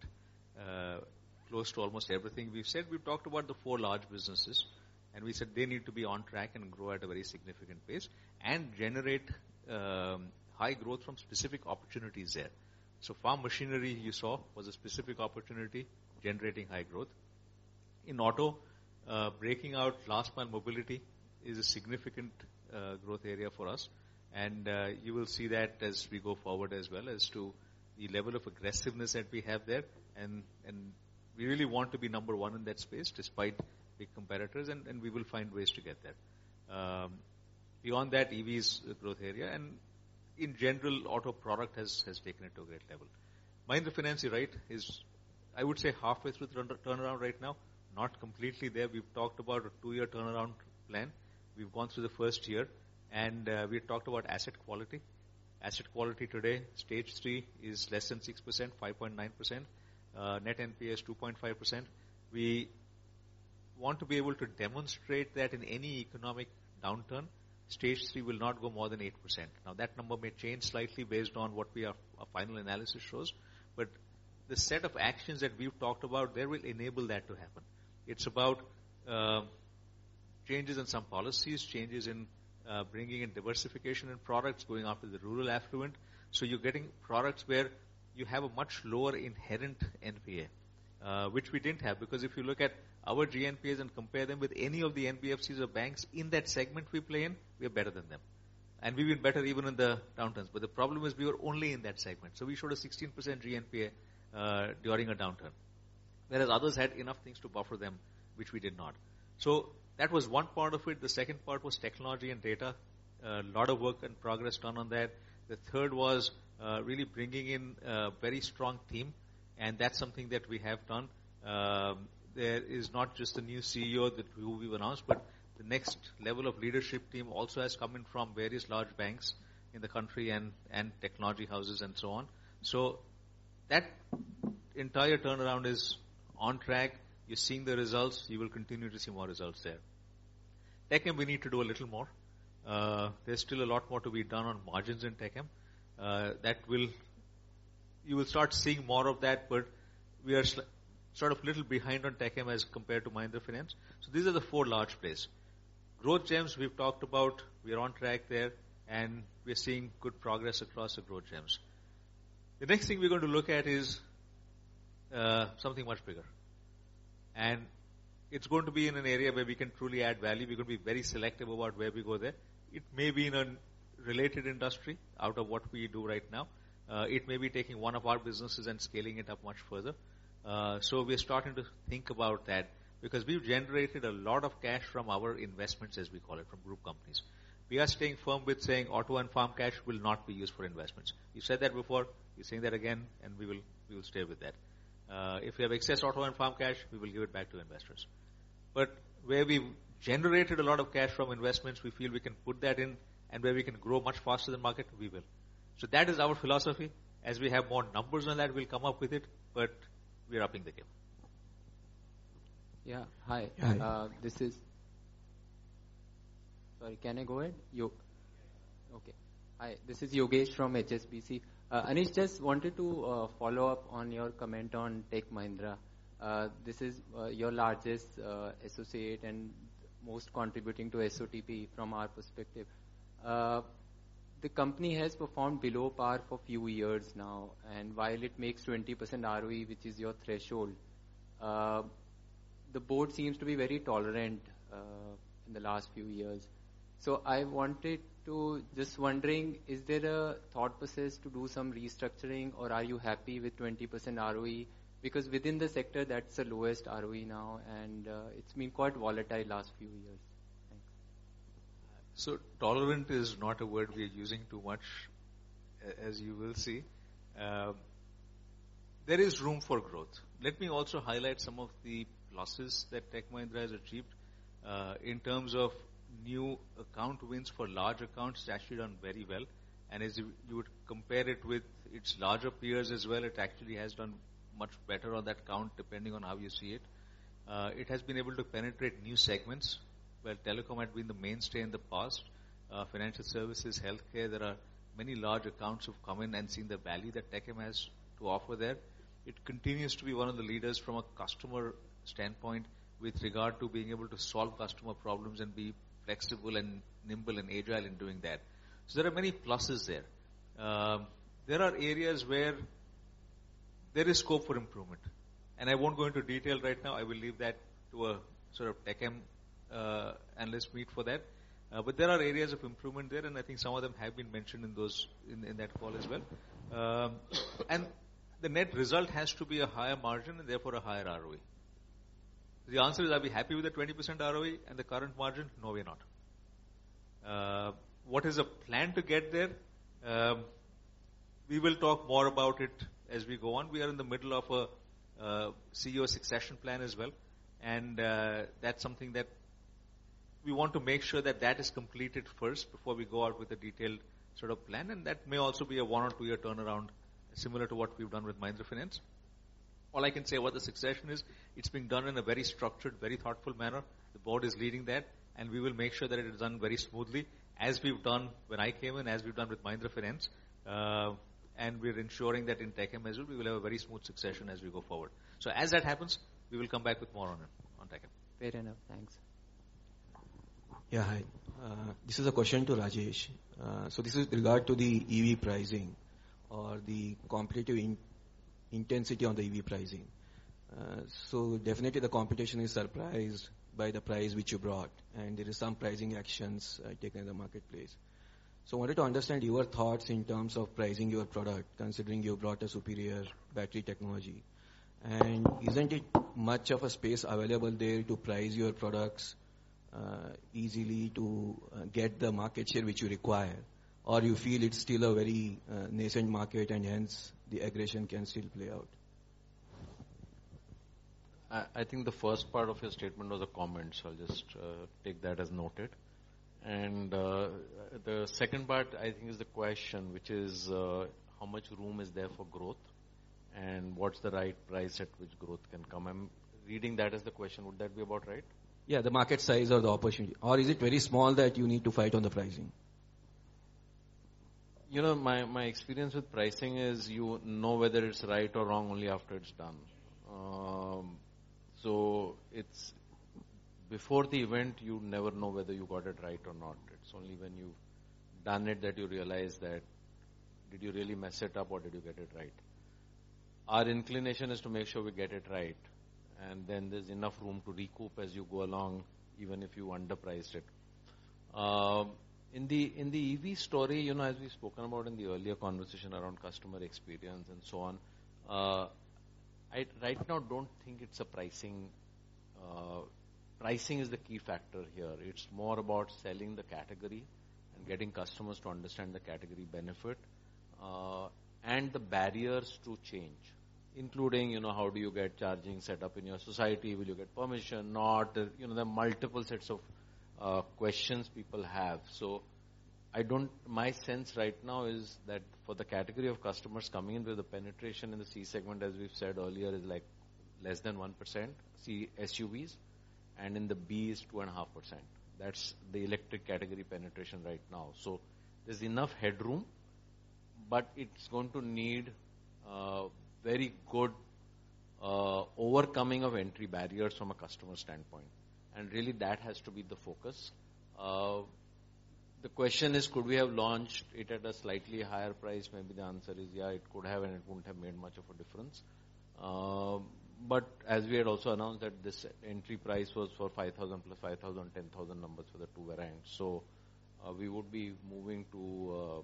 close to almost everything we've said. We've talked about the four large businesses, and we said they need to be on track and grow at a very significant pace and generate high growth from specific opportunities there. Farm machinery you saw was a specific opportunity generating high growth. In auto, breaking out last mile mobility is a significant growth area for us. And you will see that as we go forward as well as to the level of aggressiveness that we have there. We really want to be number one in that space despite big competitors and we will find ways to get there. Beyond that EV is a growth area and in general, auto product has taken it to a great level. Mahindra Finance, you're right, is I would say halfway through the turnaround right now, not completely there. We've talked about a two-year turnaround plan. We've gone through the first year and we talked about asset quality. Asset quality today, stage three is less than 6%, 5.9%. Net NPA is 2.5%. We want to be able to demonstrate that in any economic downturn, stage three will not go more than 8%. Now, that number may change slightly based on what we are, our final analysis shows, but the set of actions that we've talked about there will enable that to happen. It's about changes in some policies, changes in bringing in diversification in products, going after the rural affluent. You're getting products where you have a much lower inherent NPA, which we didn't have because if you look at our GNPA and compare them with any of the NBFCs or banks in that segment we play in, we are better than them. We've been better even in the downturns. The problem is we were only in that segment. We showed a 16% GNPA during a downturn, whereas others had enough things to buffer them, which we did not. That was one part of it. The second part was technology and data. A lot of work and progress done on that. The third was really bringing in a very strong team, and that's something that we have done. There is not just the new CEO who we've announced, but the next level of leadership team also has come in from various large banks in the country and technology houses and so on. That entire turnaround is on track. You're seeing the results. You will continue to see more results there. Tech M we need to do a little more. There's still a lot more to be done on margins in Tech M. You will start seeing more of that, but we are sort of little behind on Tech M as compared to Mahindra Finance. These are the four large plays. Growth Gems we've talked about. We are on track there. We are seeing good progress across the Growth Gems. The next thing we're going to look at is something much bigger. It's going to be in an area where we can truly add value. We're going to be very selective about where we go there. It may be in a related industry out of what we do right now. It may be taking one of our businesses and scaling it up much further. We are starting to think about that because we've generated a lot of cash from our investments, as we call it, from group companies. We are staying firm with saying Auto and Farm cash will not be used for investments. We've said that before, we're saying that again. We will stay with that. If we have excess auto and farm cash, we will give it back to investors. Where we've generated a lot of cash from investments, we feel we can put that in, and where we can grow much faster than market, we will. That is our philosophy. As we have more numbers on that, we'll come up with it, but we are upping the game. Yeah. Hi. Hi. this is. Sorry, can I go ahead? Yes. Okay. Hi, this is Yogesh from HSBC. Anish, just wanted to follow up on your comment on Tech Mahindra. This is your largest associate and most contributing to SOTP from our perspective. The company has performed below par for few years now. While it makes 20% ROE, which is your threshold, the board seems to be very tolerant in the last few years. Just wondering, is there a thought process to do some restructuring or are you happy with 20% ROE? Within the sector, that's the lowest ROE now and it's been quite volatile last few years. Thanks. Tolerant is not a word we are using too much, as you will see. There is room for growth. Let me also highlight some of the pluses that Tech Mahindra has achieved. In terms of new account wins for large accounts, it's actually done very well. As you would compare it with its larger peers as well, it actually has done much better on that count, depending on how you see it. It has been able to penetrate new segments. Where telecom had been the mainstay in the past, financial services, healthcare, there are many large accounts who've come in and seen the value that Tech M has to offer there. It continues to be one of the leaders from a customer standpoint with regard to being able to solve customer problems and be flexible and nimble and agile in doing that. There are many pluses there. There are areas where there is scope for improvement, and I won't go into detail right now. I will leave that to a sort of Tech M analyst meet for that. There are areas of improvement there, and I think some of them have been mentioned in those, in that call as well. The net result has to be a higher margin and therefore a higher ROE. The answer is, are we happy with the 20% ROE and the current margin? No, we are not. What is the plan to get there? We will talk more about it as we go on. We are in the middle of a CEO succession plan as well, that's something that we want to make sure that that is completed first before we go out with a detailed sort of plan. That may also be a 1 or 2-year turnaround, similar to what we've done with Mahindra Finance. All I can say what the succession is, it's being done in a very structured, very thoughtful manner. The board is leading that, we will make sure that it is done very smoothly as we've done when I came in, as we've done with Mahindra Finance. We're ensuring that in Tech M as well, we will have a very smooth succession as we go forward. As that happens, we will come back with more on it, on Tech M. Fair enough. Thanks. Yeah. Hi. This is a question to Rajesh. This is regard to the EV pricing or the competitive in-intensity on the EV pricing. Definitely the competition is surprised by the price which you brought, and there is some pricing actions taken in the marketplace. I wanted to understand your thoughts in terms of pricing your product, considering you brought a superior battery technology. Isn't it much of a space available there to price your products easily to get the market share which you require? Or you feel it's still a very nascent market and hence the aggression can still play out? I think the first part of your statement was a comment, so I'll just take that as noted. The second part I think is the question, which is, how much room is there for growth and what's the right price at which growth can come? I'm reading that as the question. Would that be about right? Yeah, the market size or the opportunity. Is it very small that you need to fight on the pricing? You know, my experience with pricing is you know whether it's right or wrong only after it's done. It's, before the event, you never know whether you got it right or not. It's only when you've done it that you realize that did you really mess it up or did you get it right? Our inclination is to make sure we get it right, and then there's enough room to recoup as you go along, even if you underpriced it. In the EV story, you know, as we've spoken about in the earlier conversation around customer experience and so on, I right now don't think it's a pricing. Pricing is the key factor here. It's more about selling the category and getting customers to understand the category benefit, and the barriers to change, including, you know, how do you get charging set up in your society? Will you get permission, not? You know, there are multiple sets of questions people have. My sense right now is that for the category of customers coming in with the penetration in the C segment, as we've said earlier, is like less than 1% C SUVs, and in the B is 2.5%. That's the electric category penetration right now. There's enough headroom, but it's going to need very good overcoming of entry barriers from a customer standpoint. Really that has to be the focus. The question is, could we have launched it at a slightly higher price? Maybe the answer is, yeah, it could have, and it wouldn't have made much of a difference. As we had also announced that this entry price was for 5,000+ 5,000, 10,000 numbers for the two variants. We would be moving to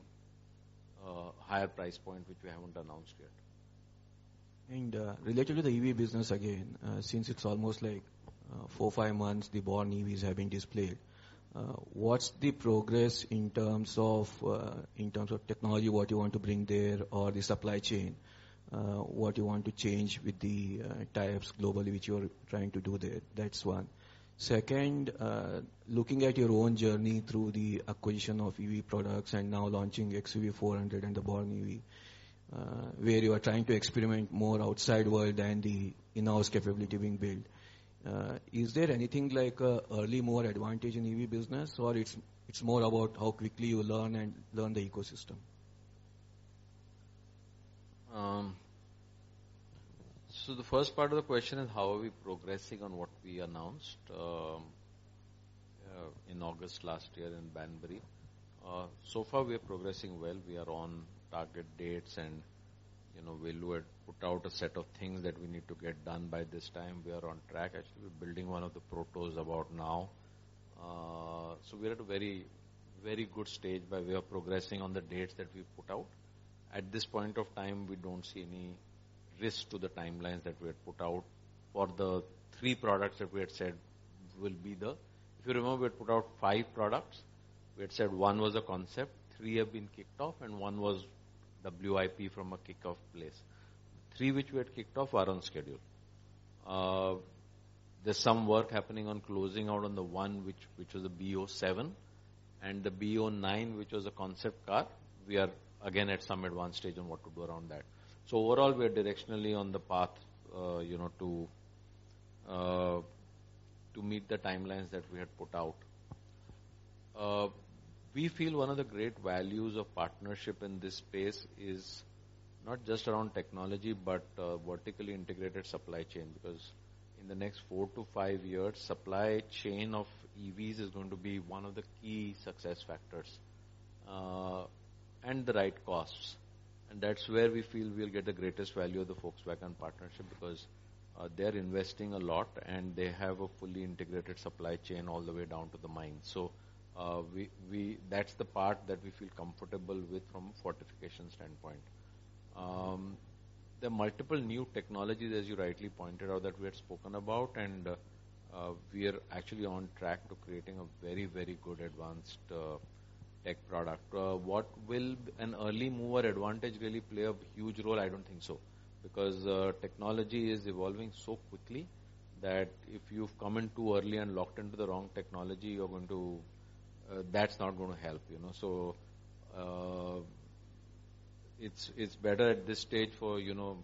a higher price point, which we haven't announced yet. Related to the EV business again, since it's almost like 4, 5 months the Born EVs have been displayed, what's the progress in terms of technology, what you want to bring there or the supply chain? What you want to change with the types globally, which you are trying to do there? That's one. Second, looking at your own journey through the acquisition of EV products and now launching XUV400 and the Born Electric, where you are trying to experiment more outside world than the in-house capability being built, is there anything like a early mover advantage in EV business or it's more about how quickly you learn and learn the ecosystem? The first part of the question is how are we progressing on what we announced in August last year in Banbury. So far we are progressing well. We are on target dates and, you know, we had put out a set of things that we need to get done by this time. We are on track. Actually, we're building one of the protos about now. We're at a very, very good stage, but we are progressing on the dates that we've put out. At this point of time, we don't see any risk to the timelines that we had put out for the three products that we had said will be the. If you remember, we had put out five products. We had said one was a concept, three have been kicked off, and one was WIP from a kickoff place. Three which we had kicked off are on schedule. There's some work happening on closing out on the one which was a BE.07 and the BE.09, which was a concept car. We are again at some advanced stage on what to do around that. Overall, we are directionally on the path, you know, to meet the timelines that we had put out. We feel one of the great values of partnership in this space is not just around technology, but a vertically integrated supply chain. In the next four to five years, supply chain of EVs is going to be one of the key success factors and the right costs. That's where we feel we'll get the greatest value of the Volkswagen partnership, because they're investing a lot and they have a fully integrated supply chain all the way down to the mine. That's the part that we feel comfortable with from a fortification standpoint. There are multiple new technologies, as you rightly pointed out, that we had spoken about, and we are actually on track to creating a very, very good advanced tech product. What will an early mover advantage really play a huge role? I don't think so. Technology is evolving so quickly that if you've come in too early and locked into the wrong technology, you're going to. That's not gonna help, you know? It's, it's better at this stage for, you know...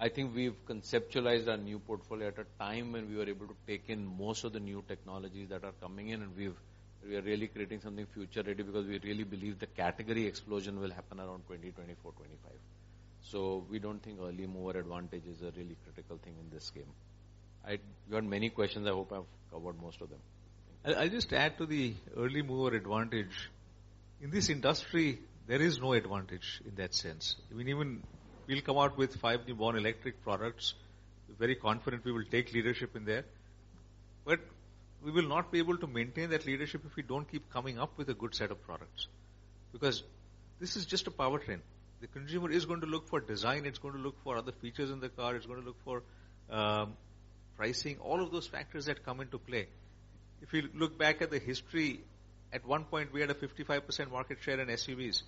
I think we've conceptualized our new portfolio at a time when we were able to take in most of the new technologies that are coming in, and we are really creating something future-ready because we really believe the category explosion will happen around 2024, 2025. We don't think early mover advantage is a really critical thing in this game. I You had many questions. I hope I've covered most of them. I'll just add to the early mover advantage. In this industry, there is no advantage in that sense. I mean, even we'll come out with 5 new Born Electric products. We're very confident we will take leadership in there. We will not be able to maintain that leadership if we don't keep coming up with a good set of products. Because this is just a powertrain. The consumer is going to look for design, it's going to look for other features in the car, it's going to look for pricing, all of those factors that come into play. If you look back at the history, at one point we had a 55% market share in SUVs.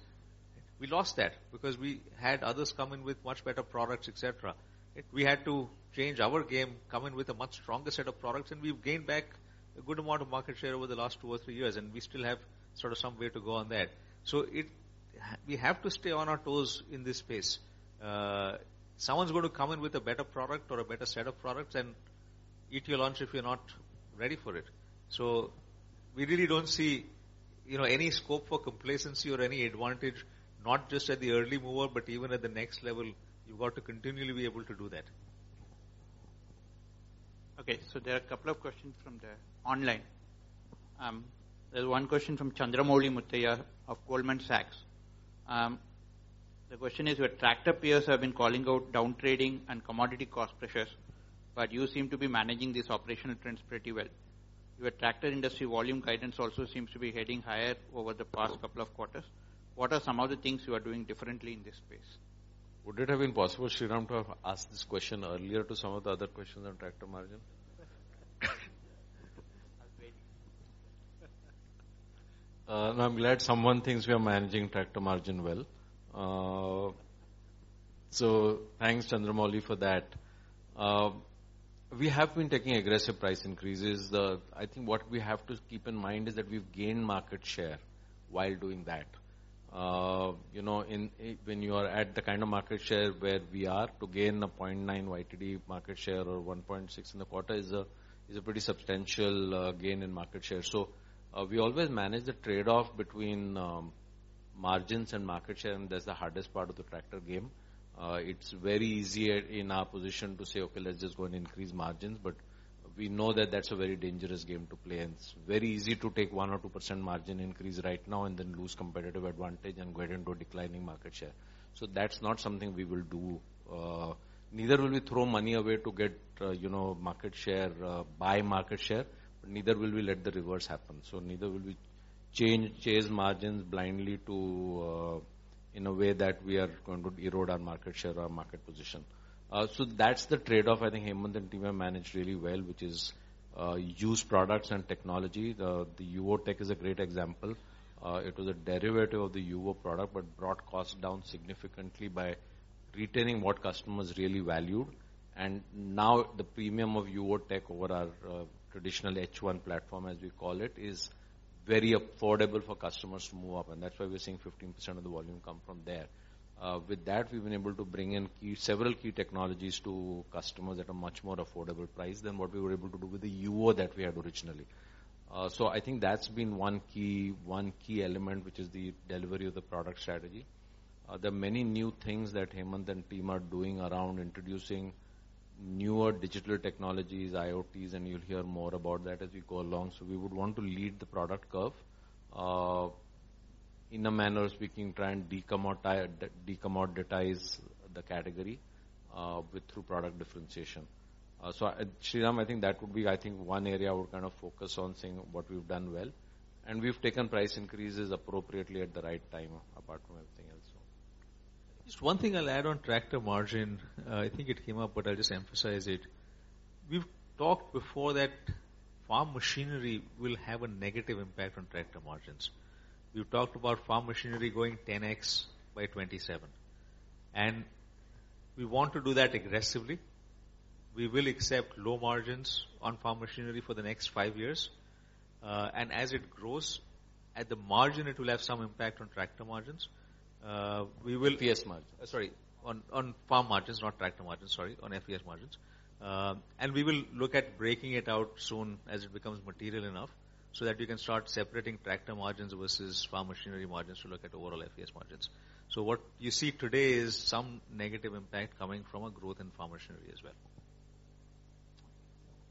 We lost that because we had others come in with much better products, etcetera. We had to change our game, come in with a much stronger set of products, we've gained back a good amount of market share over the last two or three years, we still have sort of some way to go on that. We have to stay on our toes in this space. Someone's going to come in with a better product or a better set of products and eat your lunch if you're not ready for it. We really don't see, you know, any scope for complacency or any advantage, not just at the early mover, but even at the next level. You've got to continually be able to do that. There are a couple of questions from the online. There's one question from Chandramouli Muthiah of Goldman Sachs. The question is, your tractor peers have been calling out down trading and commodity cost pressures. You seem to be managing these operational trends pretty well. Your tractor industry volume guidance also seems to be heading higher over the past couple of quarters. What are some of the things you are doing differently in this space? Would it have been possible, Sriram, to have asked this question earlier to some of the other questions on tractor margin? I was waiting. I'm glad someone thinks we are managing tractor margin well. Thanks, Chandramouli, for that. We have been taking aggressive price increases. I think what we have to keep in mind is that we've gained market share while doing that. You know, when you are at the kind of market share where we are, to gain a 0.9% YTD market share or 1.6% in the quarter is a pretty substantial gain in market share. We always manage the trade-off between margins and market share, and that's the hardest part of the tractor game. It's very easy in our position to say, "Okay, let's just go and increase margins." We know that that's a very dangerous game to play, and it's very easy to take 1% or 2% margin increase right now and then lose competitive advantage and go into a declining market share. That's not something we will do. Neither will we throw money away to get, you know, market share, buy market share, but neither will we let the reverse happen. Neither will we change, chase margins blindly to in a way that we are going to erode our market share or market position. That's the trade-off I think Hemant and team have managed really well, which is use products and technology. The XUV tech is a great example. It was a derivative of the XUV product, but brought costs down significantly by retaining what customers really value. Now the premium of XUV tech over our traditional H one platform, as we call it, is very affordable for customers to move up. That's why we're seeing 15% of the volume come from there. With that, we've been able to bring in key, several key technologies to customers at a much more affordable price than what we were able to do with the XUV that we had originally. So I think that's been one key, one key element, which is the delivery of the product strategy. There are many new things that Hemant and team are doing around introducing newer digital technologies, IoTs, and you'll hear more about that as we go along. We would want to lead the product curve, in a manner speaking, try and decommoditize the category, with through product differentiation. Sriram, I think that would be one area we'll kind of focus on saying what we've done well. We've taken price increases appropriately at the right time, apart from everything else, so. Just one thing I'll add on tractor margin. I think it came up, but I'll just emphasize it. We've talked before that farm machinery will have a negative impact on tractor margins. We've talked about farm machinery going 10x by 2027. We want to do that aggressively. We will accept low margins on farm machinery for the next 5 years. As it grows, at the margin, it will have some impact on tractor margins. FES margin. Sorry, on farm margins, not tractor margins. Sorry. On FES margins. We will look at breaking it out soon as it becomes material enough so that we can start separating tractor margins versus farm machinery margins to look at overall FES margins. What you see today is some negative impact coming from a growth in farm machinery as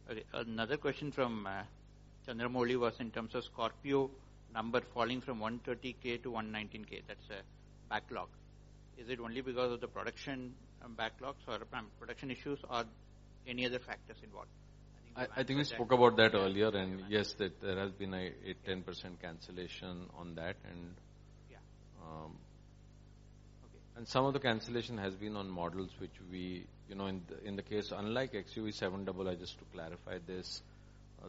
well. Another question from Chandramouli was in terms of Scorpio number falling from 130K to 119K. That's a backlog. Is it only because of the production backlogs or production issues or any other factors involved? I think we spoke about that earlier, and yes, there has been a 10% cancellation on that. Yeah. Um- Okay. Some of the cancellation has been on models. You know, in the case, unlike XUV700, I just to clarify this,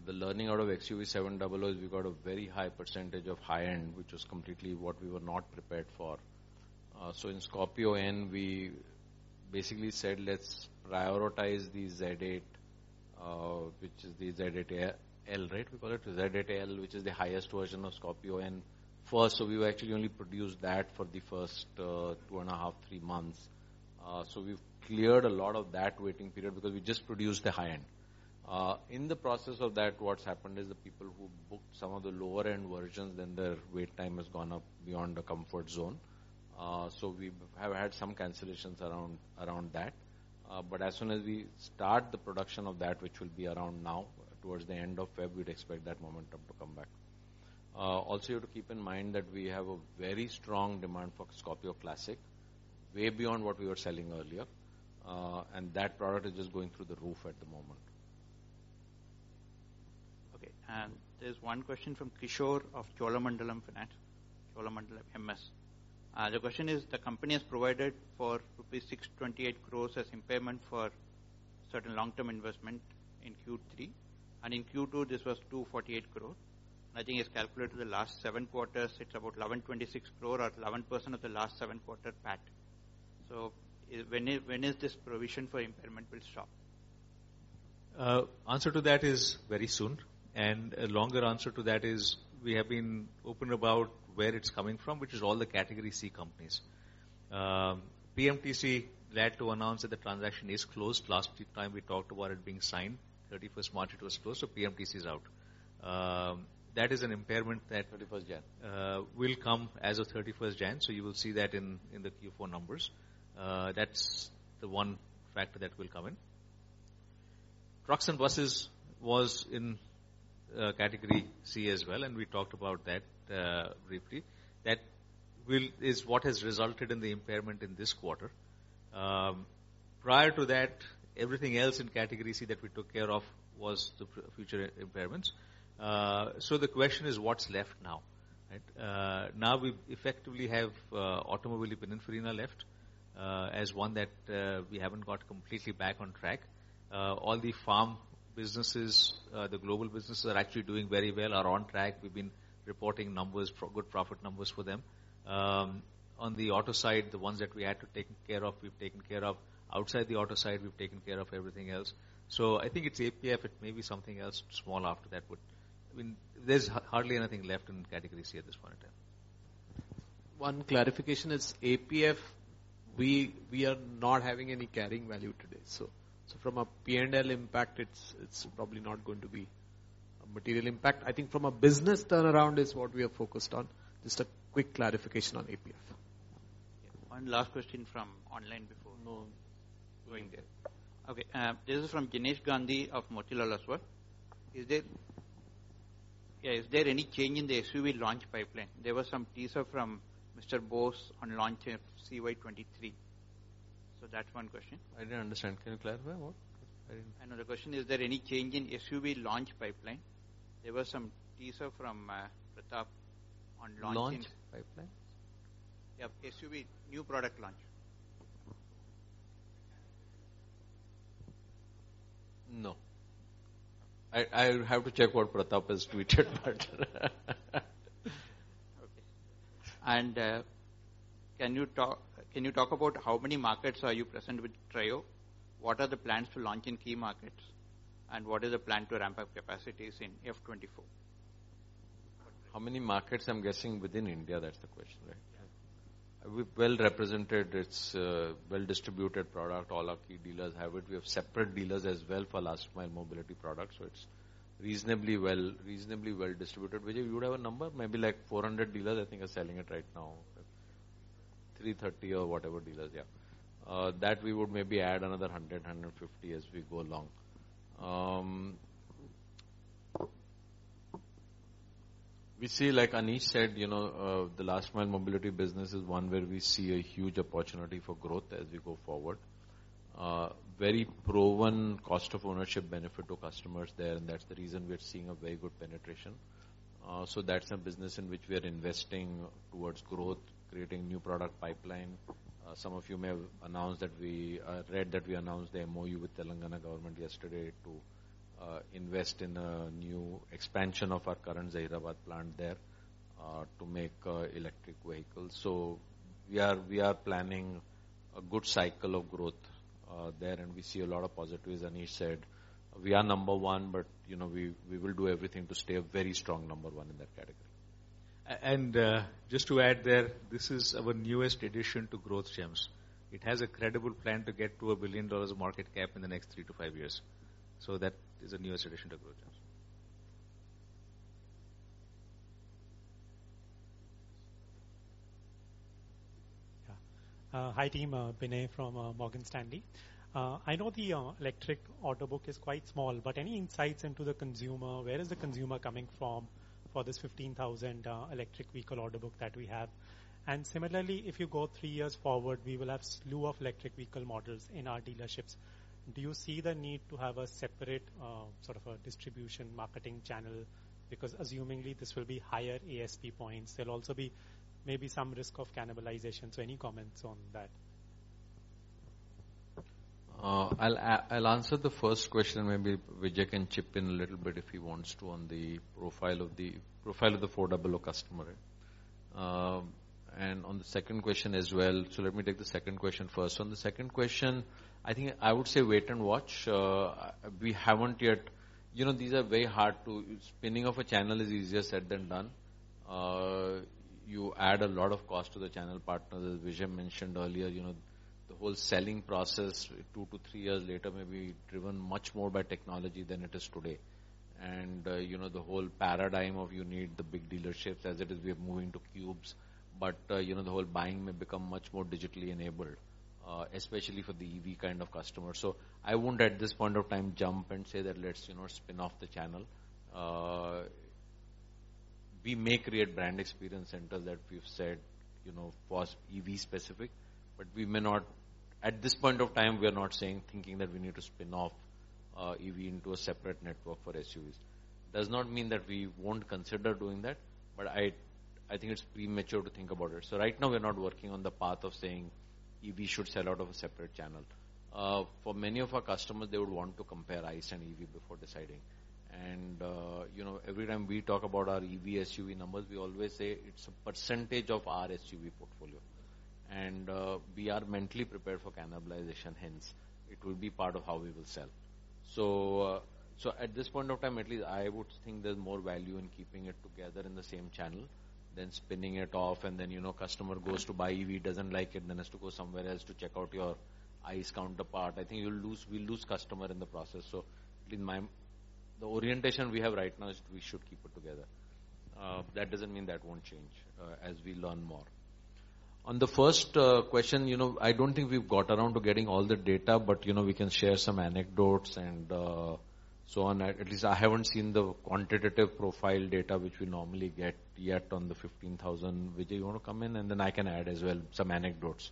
the learning out of XUV700 is we got a very high % of high-end, which was completely what we were not prepared for. In Scorpio N, we basically said, "Let's prioritize the Z8," which is the Z8L, right? We call it Z8L, which is the highest version of Scorpio N first. We've actually only produced that for the first two and a half, three months. We've cleared a lot of that waiting period because we just produced the high-end. In the process of that, what's happened is the people who booked some of the lower-end versions, then their wait time has gone up beyond the comfort zone. We have had some cancellations around that. As soon as we start the production of that, which will be around now, towards the end of February, we'd expect that momentum to come back. Also you have to keep in mind that we have a very strong demand for Scorpio Classic, way beyond what we were selling earlier. That product is just going through the roof at the moment. Okay. There's 1 question from Kishore of Cholamandalam Finance, Cholamandalam MS. The question is, the company has provided for rupees 628 crore as impairment for certain long-term investment in Q3. In Q2, this was 248 crore. I think it's calculated the last 7 quarters. It's about 1,126 crore or 11% of the last 7 quarter PAT. When is this provision for impairment will stop? Answer to that is very soon. A longer answer to that is we have been open about where it's coming from, which is all the category C companies. PMTC glad to announce that the transaction is closed. Last time we talked about it being signed. 31st March it was closed, so PMTC is out. That is an impairment. 31st January. Will come as of 31st January. You will see that in the Q4 numbers. That's the one factor that will come in. Trucks and Buses was category C as well, and we talked about that briefly. That is what has resulted in the impairment in this quarter. Prior to that, everything else in category C that we took care of was the future impairments. The question is, what's left now, right? Now we effectively have Automobili Pininfarina left, as one that we haven't got completely back on track. All the farm businesses, the global businesses are actually doing very well, are on track. We've been reporting good profit numbers for them. On the auto side, the ones that we had to take care of, we've taken care of. Outside the auto side, we've taken care of everything else. I think it's APF, it may be something else small after that. I mean, there's hardly anything left in category C at this point in time. One clarification is APF, we are not having any carrying value today. From a P&L impact, it's probably not going to be a material impact. I think from a business turnaround is what we are focused on. Just a quick clarification on APF. One last question from online before- No. -going there. Okay, this is from Jinesh Gandhi of Motilal Oswal. Is there any change in the SUV launch pipeline? There was some teaser from Mr. Bose on launch of CY 2023. That's one question. I didn't understand. Can you clarify more? Another question. Is there any change in SUV launch pipeline? There was some teaser from Pratap on launching Launch pipeline? Yeah. SUV new product launch. No. I'll have to check what Pratap has tweeted, but... Okay. Can you talk about how many markets are you present with Treo? What are the plans to launch in key markets? What is the plan to ramp up capacities in F 2024? How many markets? I'm guessing within India, that's the question, right? Yeah. We're well represented. It's a well-distributed product. All our key dealers have it. We have separate dealers as well for last mile mobility products. It's reasonably well distributed. Veejay, you would have a number? Maybe like 400 dealers I think are selling it right now. 330 or whatever dealers. That we would maybe add another 100, 150 as we go along. We see, like Anish said, you know, the last mile mobility business is one where we see a huge opportunity for growth as we go forward. Very proven cost of ownership benefit to customers there. That's the reason we are seeing a very good penetration. That's a business in which we are investing towards growth, creating new product pipeline. Some of you may have announced that we... read that we announced the MOU with Telangana government yesterday to invest in a new expansion of our current Hyderabad plant there to make electric vehicles. We are planning a good cycle of growth there, and we see a lot of positives. Anish said we are number 1, but, you know, we will do everything to stay a very strong number 1 in that category. And, just to add there, this is our newest addition to Growth Gems. It has a credible plan to get to $1 billion of market cap in the next 3-5 years. That is the newest addition to Growth Gems. Hi team. Binay from Morgan Stanley. I know the electric order book is quite small, any insights into the consumer? Where is the consumer coming from for this 15,000 electric vehicle order book that we have? Similarly, if you go 3 years forward, we will have slew of electric vehicle models in our dealerships. Do you see the need to have a separate sort of a distribution marketing channel? Assumingly this will be higher ASP points. There'll also be maybe some risk of cannibalization. Any comments on that? I'll answer the first question. Maybe Veejay can chip in a little bit if he wants to on the profile of the 400 customer. and on the second question as well. Let me take the second question first. On the second question, I think I would say wait and watch. we haven't yet... You know, these are very hard to... Spinning of a channel is easier said than done. you add a lot of cost to the channel partners. As Veejay mentioned earlier, you know, the whole selling process 2 to 3 years later may be driven much more by technology than it is today. You know, the whole paradigm of you need the big dealerships, as it is, we are moving to cubes. You know, the whole buying may become much more digitally enabled, especially for the EV kind of customer. I wouldn't at this point of time jump and say that, let's, you know, spin off the channel. We may create brand experience centers that we've said, you know, was EV specific, but we may not. At this point of time, we are not saying, thinking that we need to spin off EV into a separate network for SUVs. Does not mean that we won't consider doing that, but I think it's premature to think about it. Right now we're not working on the path of saying EV should sell out of a separate channel. For many of our customers, they would want to compare ICE and EV before deciding. You know, every time we talk about our EV SUV numbers, we always say it's a percentage of our SUV portfolio. We are mentally prepared for cannibalization, hence it will be part of how we will sell. At this point of time, at least I would think there's more value in keeping it together in the same channel than spinning it off and then, you know, customer goes to buy EV, doesn't like it, then has to go somewhere else to check out your ICE counterpart. I think you'll lose, we'll lose customer in the process. The orientation we have right now is we should keep it together. That doesn't mean that won't change as we learn more. The first question, you know, I don't think we've got around to getting all the data, but, you know, we can share some anecdotes and so on. At least I haven't seen the quantitative profile data which we normally get yet on the 15,000. Veejay, you wanna come in? Then I can add as well some anecdotes.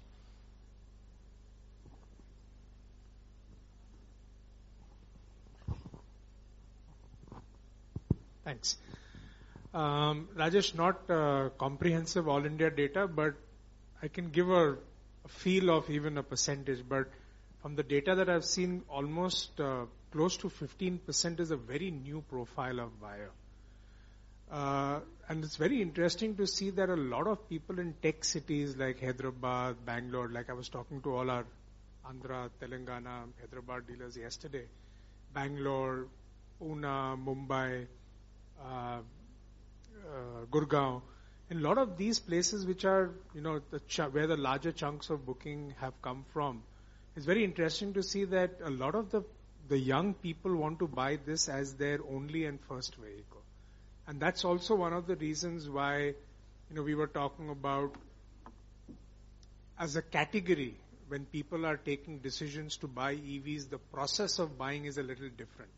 Thanks. Rajesh, not a comprehensive all-India data, but I can give a feel of even a percentage. From the data that I've seen, almost, close to 15% is a very new profile of buyer. It's very interesting to see there are a lot of people in tech cities like Hyderabad, Bangalore, like I was talking to all our Andhra, Telangana, Hyderabad dealers yesterday. Bangalore, Pune, Mumbai, Gurgaon, in a lot of these places which are, you know, where the larger chunks of booking have come from, it's very interesting to see that a lot of the young people want to buy this as their only and first vehicle. That's also one of the reasons why, you know, we were talking about as a category, when people are taking decisions to buy EVs, the process of buying is a little different.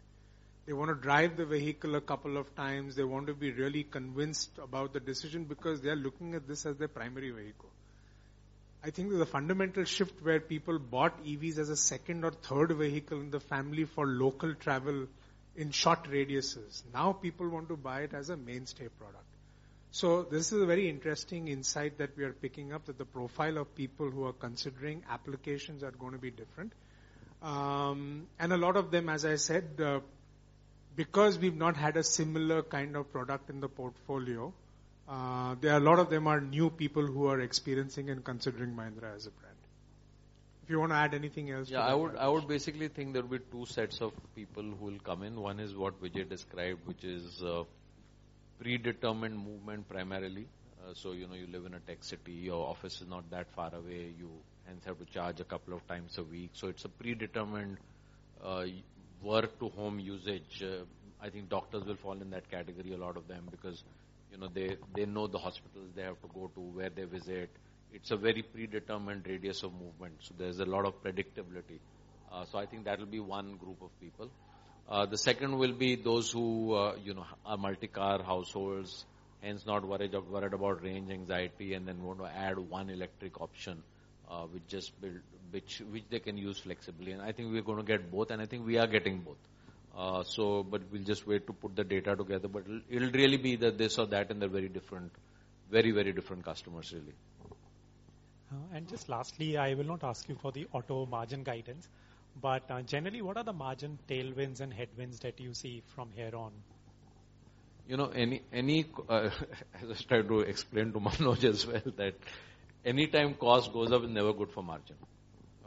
They wanna drive the vehicle a couple of times, they want to be really convinced about the decision because they are looking at this as their primary vehicle. I think there's a fundamental shift where people bought EVs as a second or third vehicle in the family for local travel in short radiuses. Now people want to buy it as a mainstay product. This is a very interesting insight that we are picking up, that the profile of people who are considering applications are gonna be different. A lot of them, as I said, because we've not had a similar kind of product in the portfolio, there are a lot of them are new people who are experiencing and considering Mahindra as a brand. If you wanna add anything else to that, Rajesh? Yeah. I would basically think there'll be two sets of people who will come in. One is what Veejay described, which is predetermined movement primarily. You know, you live in a tech city, your office is not that far away, you hence have to charge a couple of times a week. It's a predetermined work to home usage. I think doctors will fall in that category, a lot of them, because, you know, they know the hospitals they have to go to, where they visit. It's a very predetermined radius of movement, so there's a lot of predictability. I think that'll be one group of people. The second will be those who, you know, are multi-car households, hence not worried about range anxiety and then want to add one electric option, which just build... Which they can use flexibly. I think we're gonna get both, and I think we are getting both. We'll just wait to put the data together. It'll really be the this or that, and they're very different, very different customers really. Just lastly, I will not ask you for the auto margin guidance, but, generally, what are the margin tailwinds and headwinds that you see from here on? You know, any time cost goes up is never good for margin,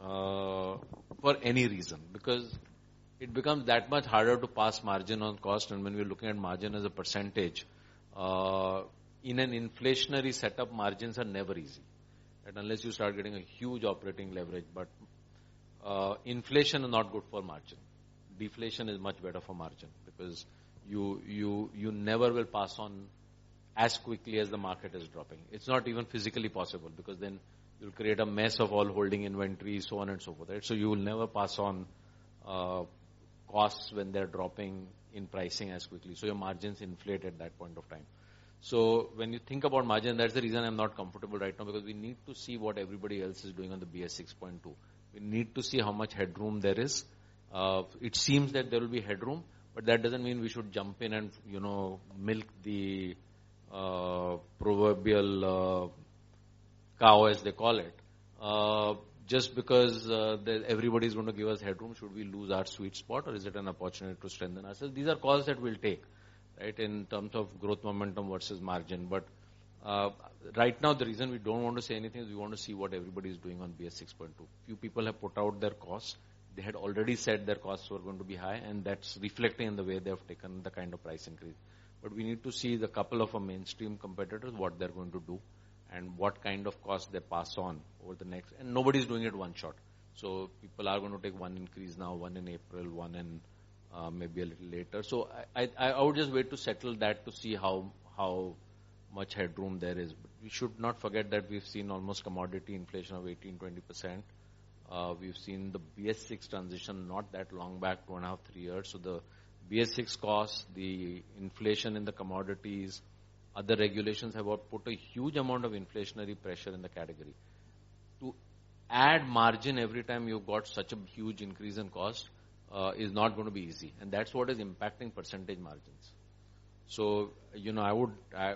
for any reason, because it becomes that much harder to pass margin on cost. When we're looking at margin as a percentage, in an inflationary setup, margins are never easy, right? Unless you start getting a huge operating leverage. Inflation is not good for margin. Deflation is much better for margin because you never will pass on as quickly as the market is dropping. It's not even physically possible because then you'll create a mess of all holding inventory, so on and so forth, right? You will never pass on costs when they're dropping in pricing as quickly, so your margins inflate at that point of time. When you think about margin, that's the reason I'm not comfortable right now because we need to see what everybody else is doing on the BS VI Phase II. We need to see how much headroom there is. It seems that there will be headroom, but that doesn't mean we should jump in and, you know, milk the proverbial cow, as they call it. Just because everybody's gonna give us headroom, should we lose our sweet spot or is it an opportunity to strengthen ourselves? These are calls that we'll take, right? In terms of growth momentum versus margin. Right now the reason we don't want to say anything is we want to see what everybody's doing on BS VI Phase II. Few people have put out their costs. They had already said their costs were going to be high and that's reflecting in the way they have taken the kind of price increase. We need to see the couple of our mainstream competitors, what they're going to do and what kind of cost they pass on over the next... Nobody's doing it one shot. People are gonna take one increase now, one in April, one in, maybe a little later. I would just wait to settle that to see how much headroom there is. We should not forget that we've seen almost commodity inflation of 18%-20%. We've seen the BS VI transition not that long back, 1.5-3 years. The BS VI costs, the inflation in the commodities, other regulations have all put a huge amount of inflationary pressure in the category. To add margin every time you've got such a huge increase in cost is not gonna be easy and that's what is impacting percentage margins. You know, I,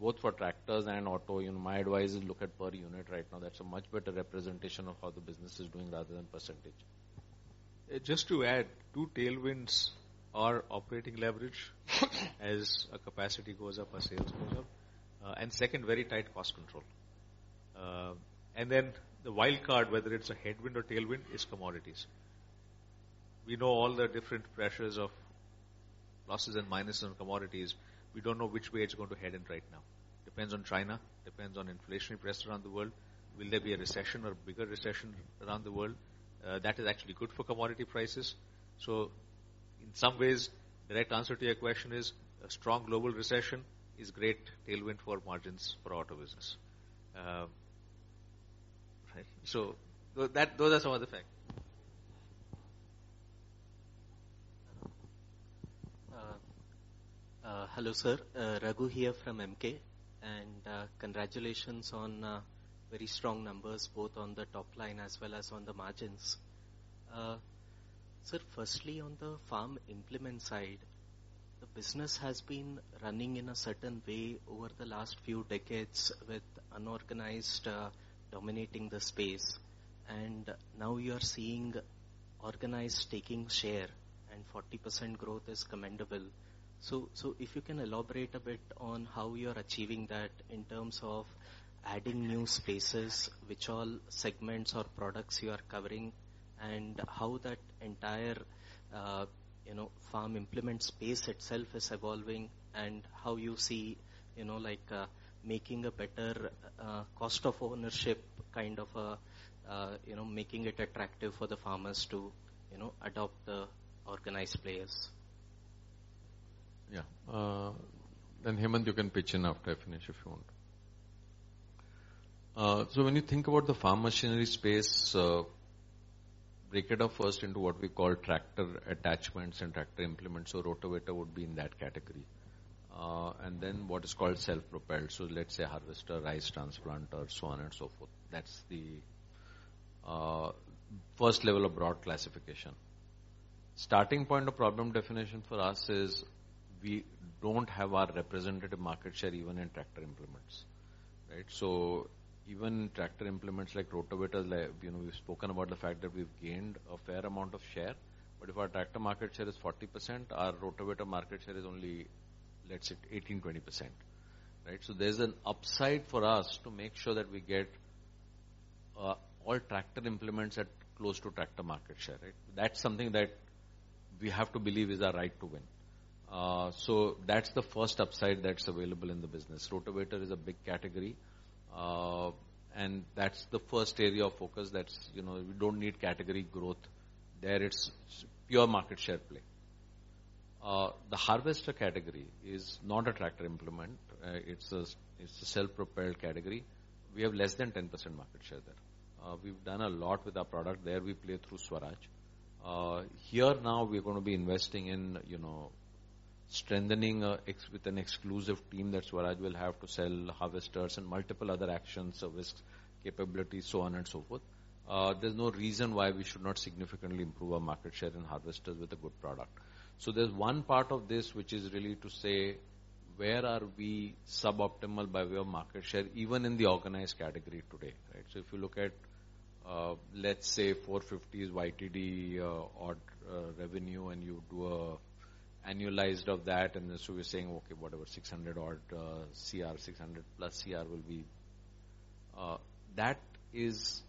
both for tractors and auto, you know, my advice is look at per unit right now. That's a much better representation of how the business is doing rather than percentage. Just to add, two tailwinds are operating leverage, as our capacity goes up, our sales go up. Second, very tight cost control. Then the wild card, whether it's a headwind or tailwind, is commodities. We know all the different pressures of pluses and minuses on commodities. We don't know which way it's going to head in right now. Depends on China, depends on inflationary pressure around the world. Will there be a recession or bigger recession around the world? That is actually good for commodity prices. In some ways, the right answer to your question is a strong global recession is great tailwind for margins for auto business. Right. That, those are some of the facts. Hello sir. Raghu here from Emkay, and congratulations on very strong numbers both on the top line as well as on the margins. Sir, firstly, on the farm implement side, the business has been running in a certain way over the last few decades with unorganized dominating the space. Now you are seeing organized taking share and 40% growth is commendable. If you can elaborate a bit on how you are achieving that in terms of adding new spaces, which all segments or products you are covering and how that entire, you know, farm implement space itself is evolving and how you see, you know, like making a better cost of ownership kind of, you know, making it attractive for the farmers to, you know, adopt the organized players. Hemant, you can pitch in after I finish, if you want. When you think about the farm machinery space, break it up first into what we call tractor attachments and tractor implements. rotavator would be in that category. What is called self-propelled, let's say harvester, rice transplanter, so on and so forth. That's the first level of broad classification. Starting point of problem definition for us is we don't have our representative market share even in tractor implements, right? Even tractor implements like rotavators, like, you know, we've spoken about the fact that we've gained a fair amount of share, but if our tractor market share is 40%, our rotavator market share is only, let's say 18%, 20%, right? There's an upside for us to make sure that we get all tractor implements at close to tractor market share, right? That's something that we have to believe is our right to win. That's the first upside that's available in the business. Rotavator is a big category, that's the first area of focus that's, you know, we don't need category growth. There it's pure market share play. The harvester category is not a tractor implement. It's a self-propelled category. We have less than 10% market share there. We've done a lot with our product. There we play through Swaraj. Here now we're gonna be investing in, you know, strengthening with an exclusive team that Swaraj will have to sell harvesters and multiple other actions, service capabilities, so on and so forth. There's no reason why we should not significantly improve our market share in harvesters with a good product. There's one part of this which is really to say, where are we suboptimal by way of market share, even in the organized category today, right? If you look at, let's say 450 is YTD odd revenue and you do an annualized of that, and then we're saying, okay, whatever, 600 odd crore, 600+ crore will be, that is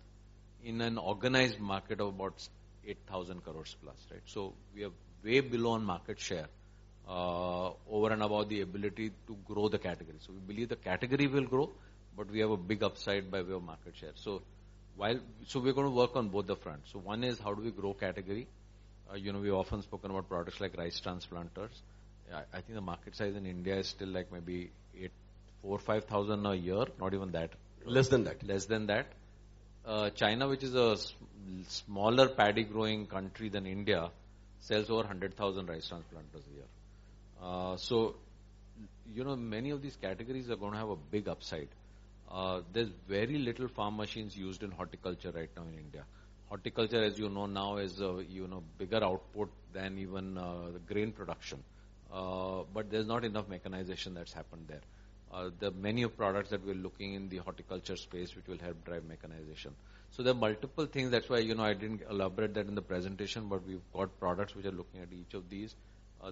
in an organized market of about 8,000 crore+, right? We are way below on market share over and above the ability to grow the category. We believe the category will grow, but we have a big upside by way of market share. We're gonna work on both the fronts. One is how do we grow category? You know, we've often spoken about products like rice transplanters. I think the market size in India is still like maybe 4, 5 thousand a year, not even that. Less than that. Less than that. China, which is a smaller paddy growing country than India, sells over 100,000 rice transplanters a year. You know, many of these categories are gonna have a big upside. There's very little farm machines used in horticulture right now in India. Horticulture, as you know now, is, you know, bigger output than even the grain production. There's not enough mechanization that's happened there. There are many products that we're looking in the horticulture space which will help drive mechanization. There are multiple things. That's why, you know, I didn't elaborate that in the presentation, but we've got products which are looking at each of these.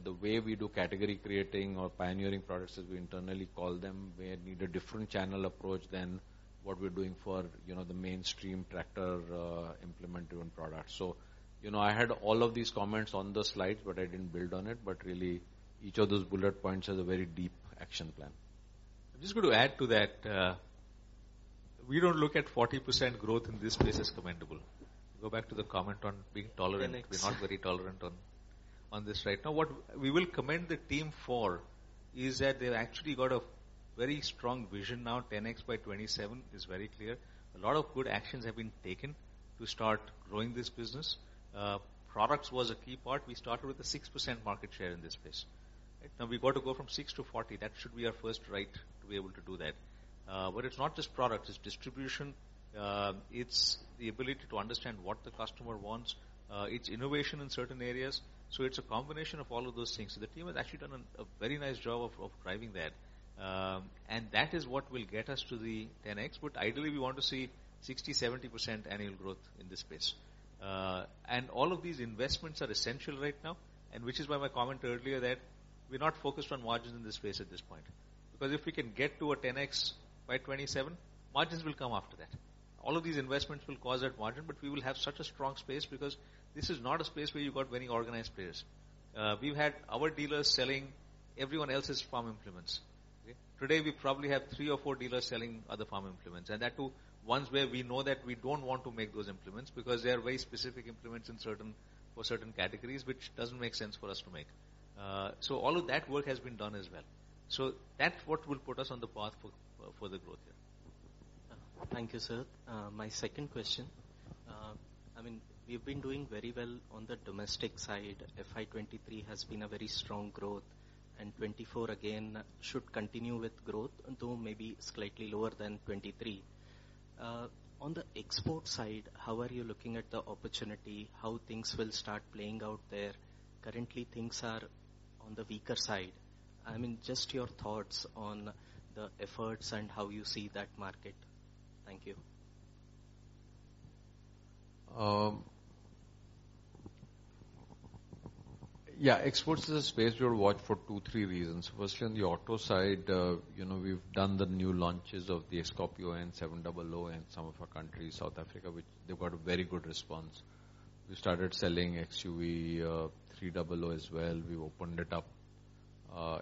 The way we do category creating or pioneering products, as we internally call them, may need a different channel approach than what we're doing for, you know, the mainstream tractor, implement-driven products. You know, I had all of these comments on the slides, but I didn't build on it. Each of those bullet points has a very deep action plan. I'm just going to add to that. We don't look at 40% growth in this space as commendable. Go back to the comment on being tolerant. 10X. We're not very tolerant on this right now. What we will commend the team for is that they've actually got a very strong vision now, 10x by 2027 is very clear. A lot of good actions have been taken to start growing this business. Products was a key part. We started with a 6% market share in this space. Right? Now we've got to go from 6 to 40. That should be our first right to be able to do that. It's not just product, it's distribution, it's the ability to understand what the customer wants, it's innovation in certain areas. It's a combination of all of those things. The team has actually done a very nice job of driving that. That is what will get us to the 10x. Ideally, we want to see 60%-70% annual growth in this space. All of these investments are essential right now, and which is why my comment earlier that we're not focused on margins in this space at this point. If we can get to a 10x by 2027, margins will come after that. All of these investments will cause that margin. We will have such a strong space because this is not a space where you've got many organized players. We've had our dealers selling-. Everyone else's farm implements, okay? Today, we probably have three or four dealers selling other farm implements. That too, ones where we know that we don't want to make those implements because they are very specific implements for certain categories, which doesn't make sense for us to make. All of that work has been done as well. That's what will put us on the path for the growth here. Thank you, sir. My second question, I mean, we've been doing very well on the domestic side. FY 2023 has been a very strong growth, and 2024 again should continue with growth, though maybe slightly lower than 2023. On the export side, how are you looking at the opportunity? How things will start playing out there? Currently, things are on the weaker side. I mean, just your thoughts on the efforts and how you see that market. Thank you. Exports is a space we'll watch for two, three reasons. Firstly, on the auto side, we've done the new launches of the Scorpio-N XUV700 in some of our countries, South Africa, which they've got a very good response. We started selling XUV300 as well. We opened it up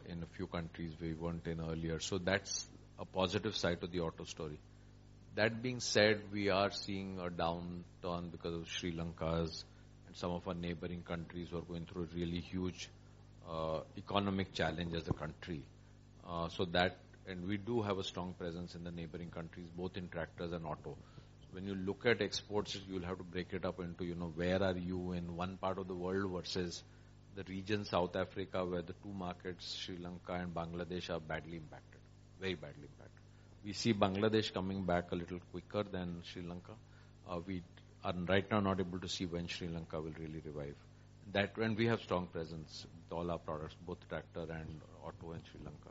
in a few countries we weren't in earlier. That's a positive side of the auto story. That being said, we are seeing a downturn because of Sri Lanka and some of our neighboring countries who are going through a really huge economic challenge as a country. We do have a strong presence in the neighboring countries, both in tractors and auto. When you look at exports, you'll have to break it up into, you know, where are you in one part of the world versus the region South Africa, where the two markets, Sri Lanka and Bangladesh, are badly impacted. Very badly impacted. We see Bangladesh coming back a little quicker than Sri Lanka. We are right now not able to see when Sri Lanka will really revive. That when we have strong presence with all our products, both tractor and auto in Sri Lanka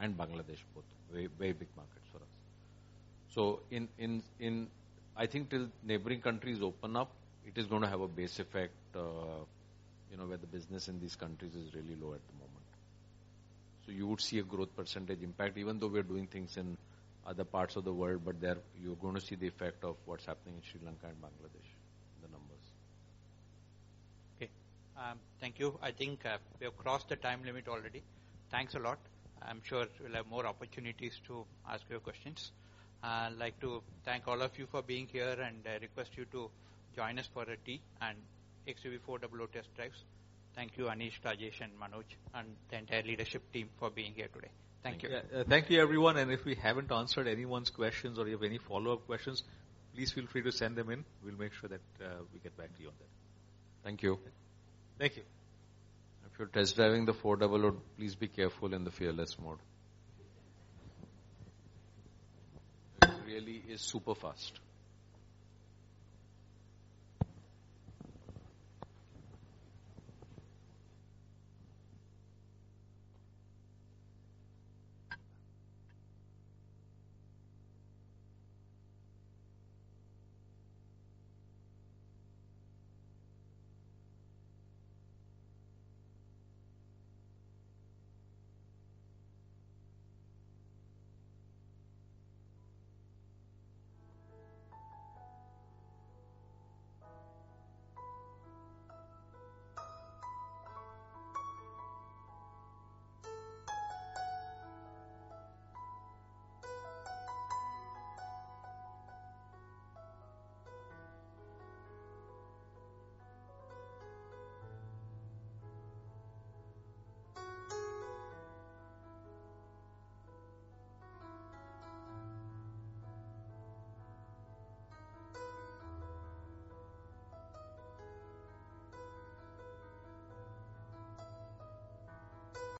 and Bangladesh, both very, very big markets for us. I think 'til neighboring countries open up, it is gonna have a base effect, you know, where the business in these countries is really low at the moment. You would see a growth percent impact, even though we are doing things in other parts of the world, but there you're gonna see the effect of what's happening in Sri Lanka and Bangladesh, the numbers. Okay. Thank you. I think we have crossed the time limit already. Thanks a lot. I'm sure we'll have more opportunities to ask you questions. I'd like to thank all of you for being here, and I request you to join us for a tea and XUV400 test drives. Thank you, Anish, Rajesh, and Manoj, and the entire leadership team for being here today. Thank you. Thank you, everyone. If we haven't answered anyone's questions or you have any follow-up questions, please feel free to send them in. We'll make sure that we get back to you on that. Thank you. Thank you. If you're test driving the XUV400, please be careful in the fearless mode. It really is super fast.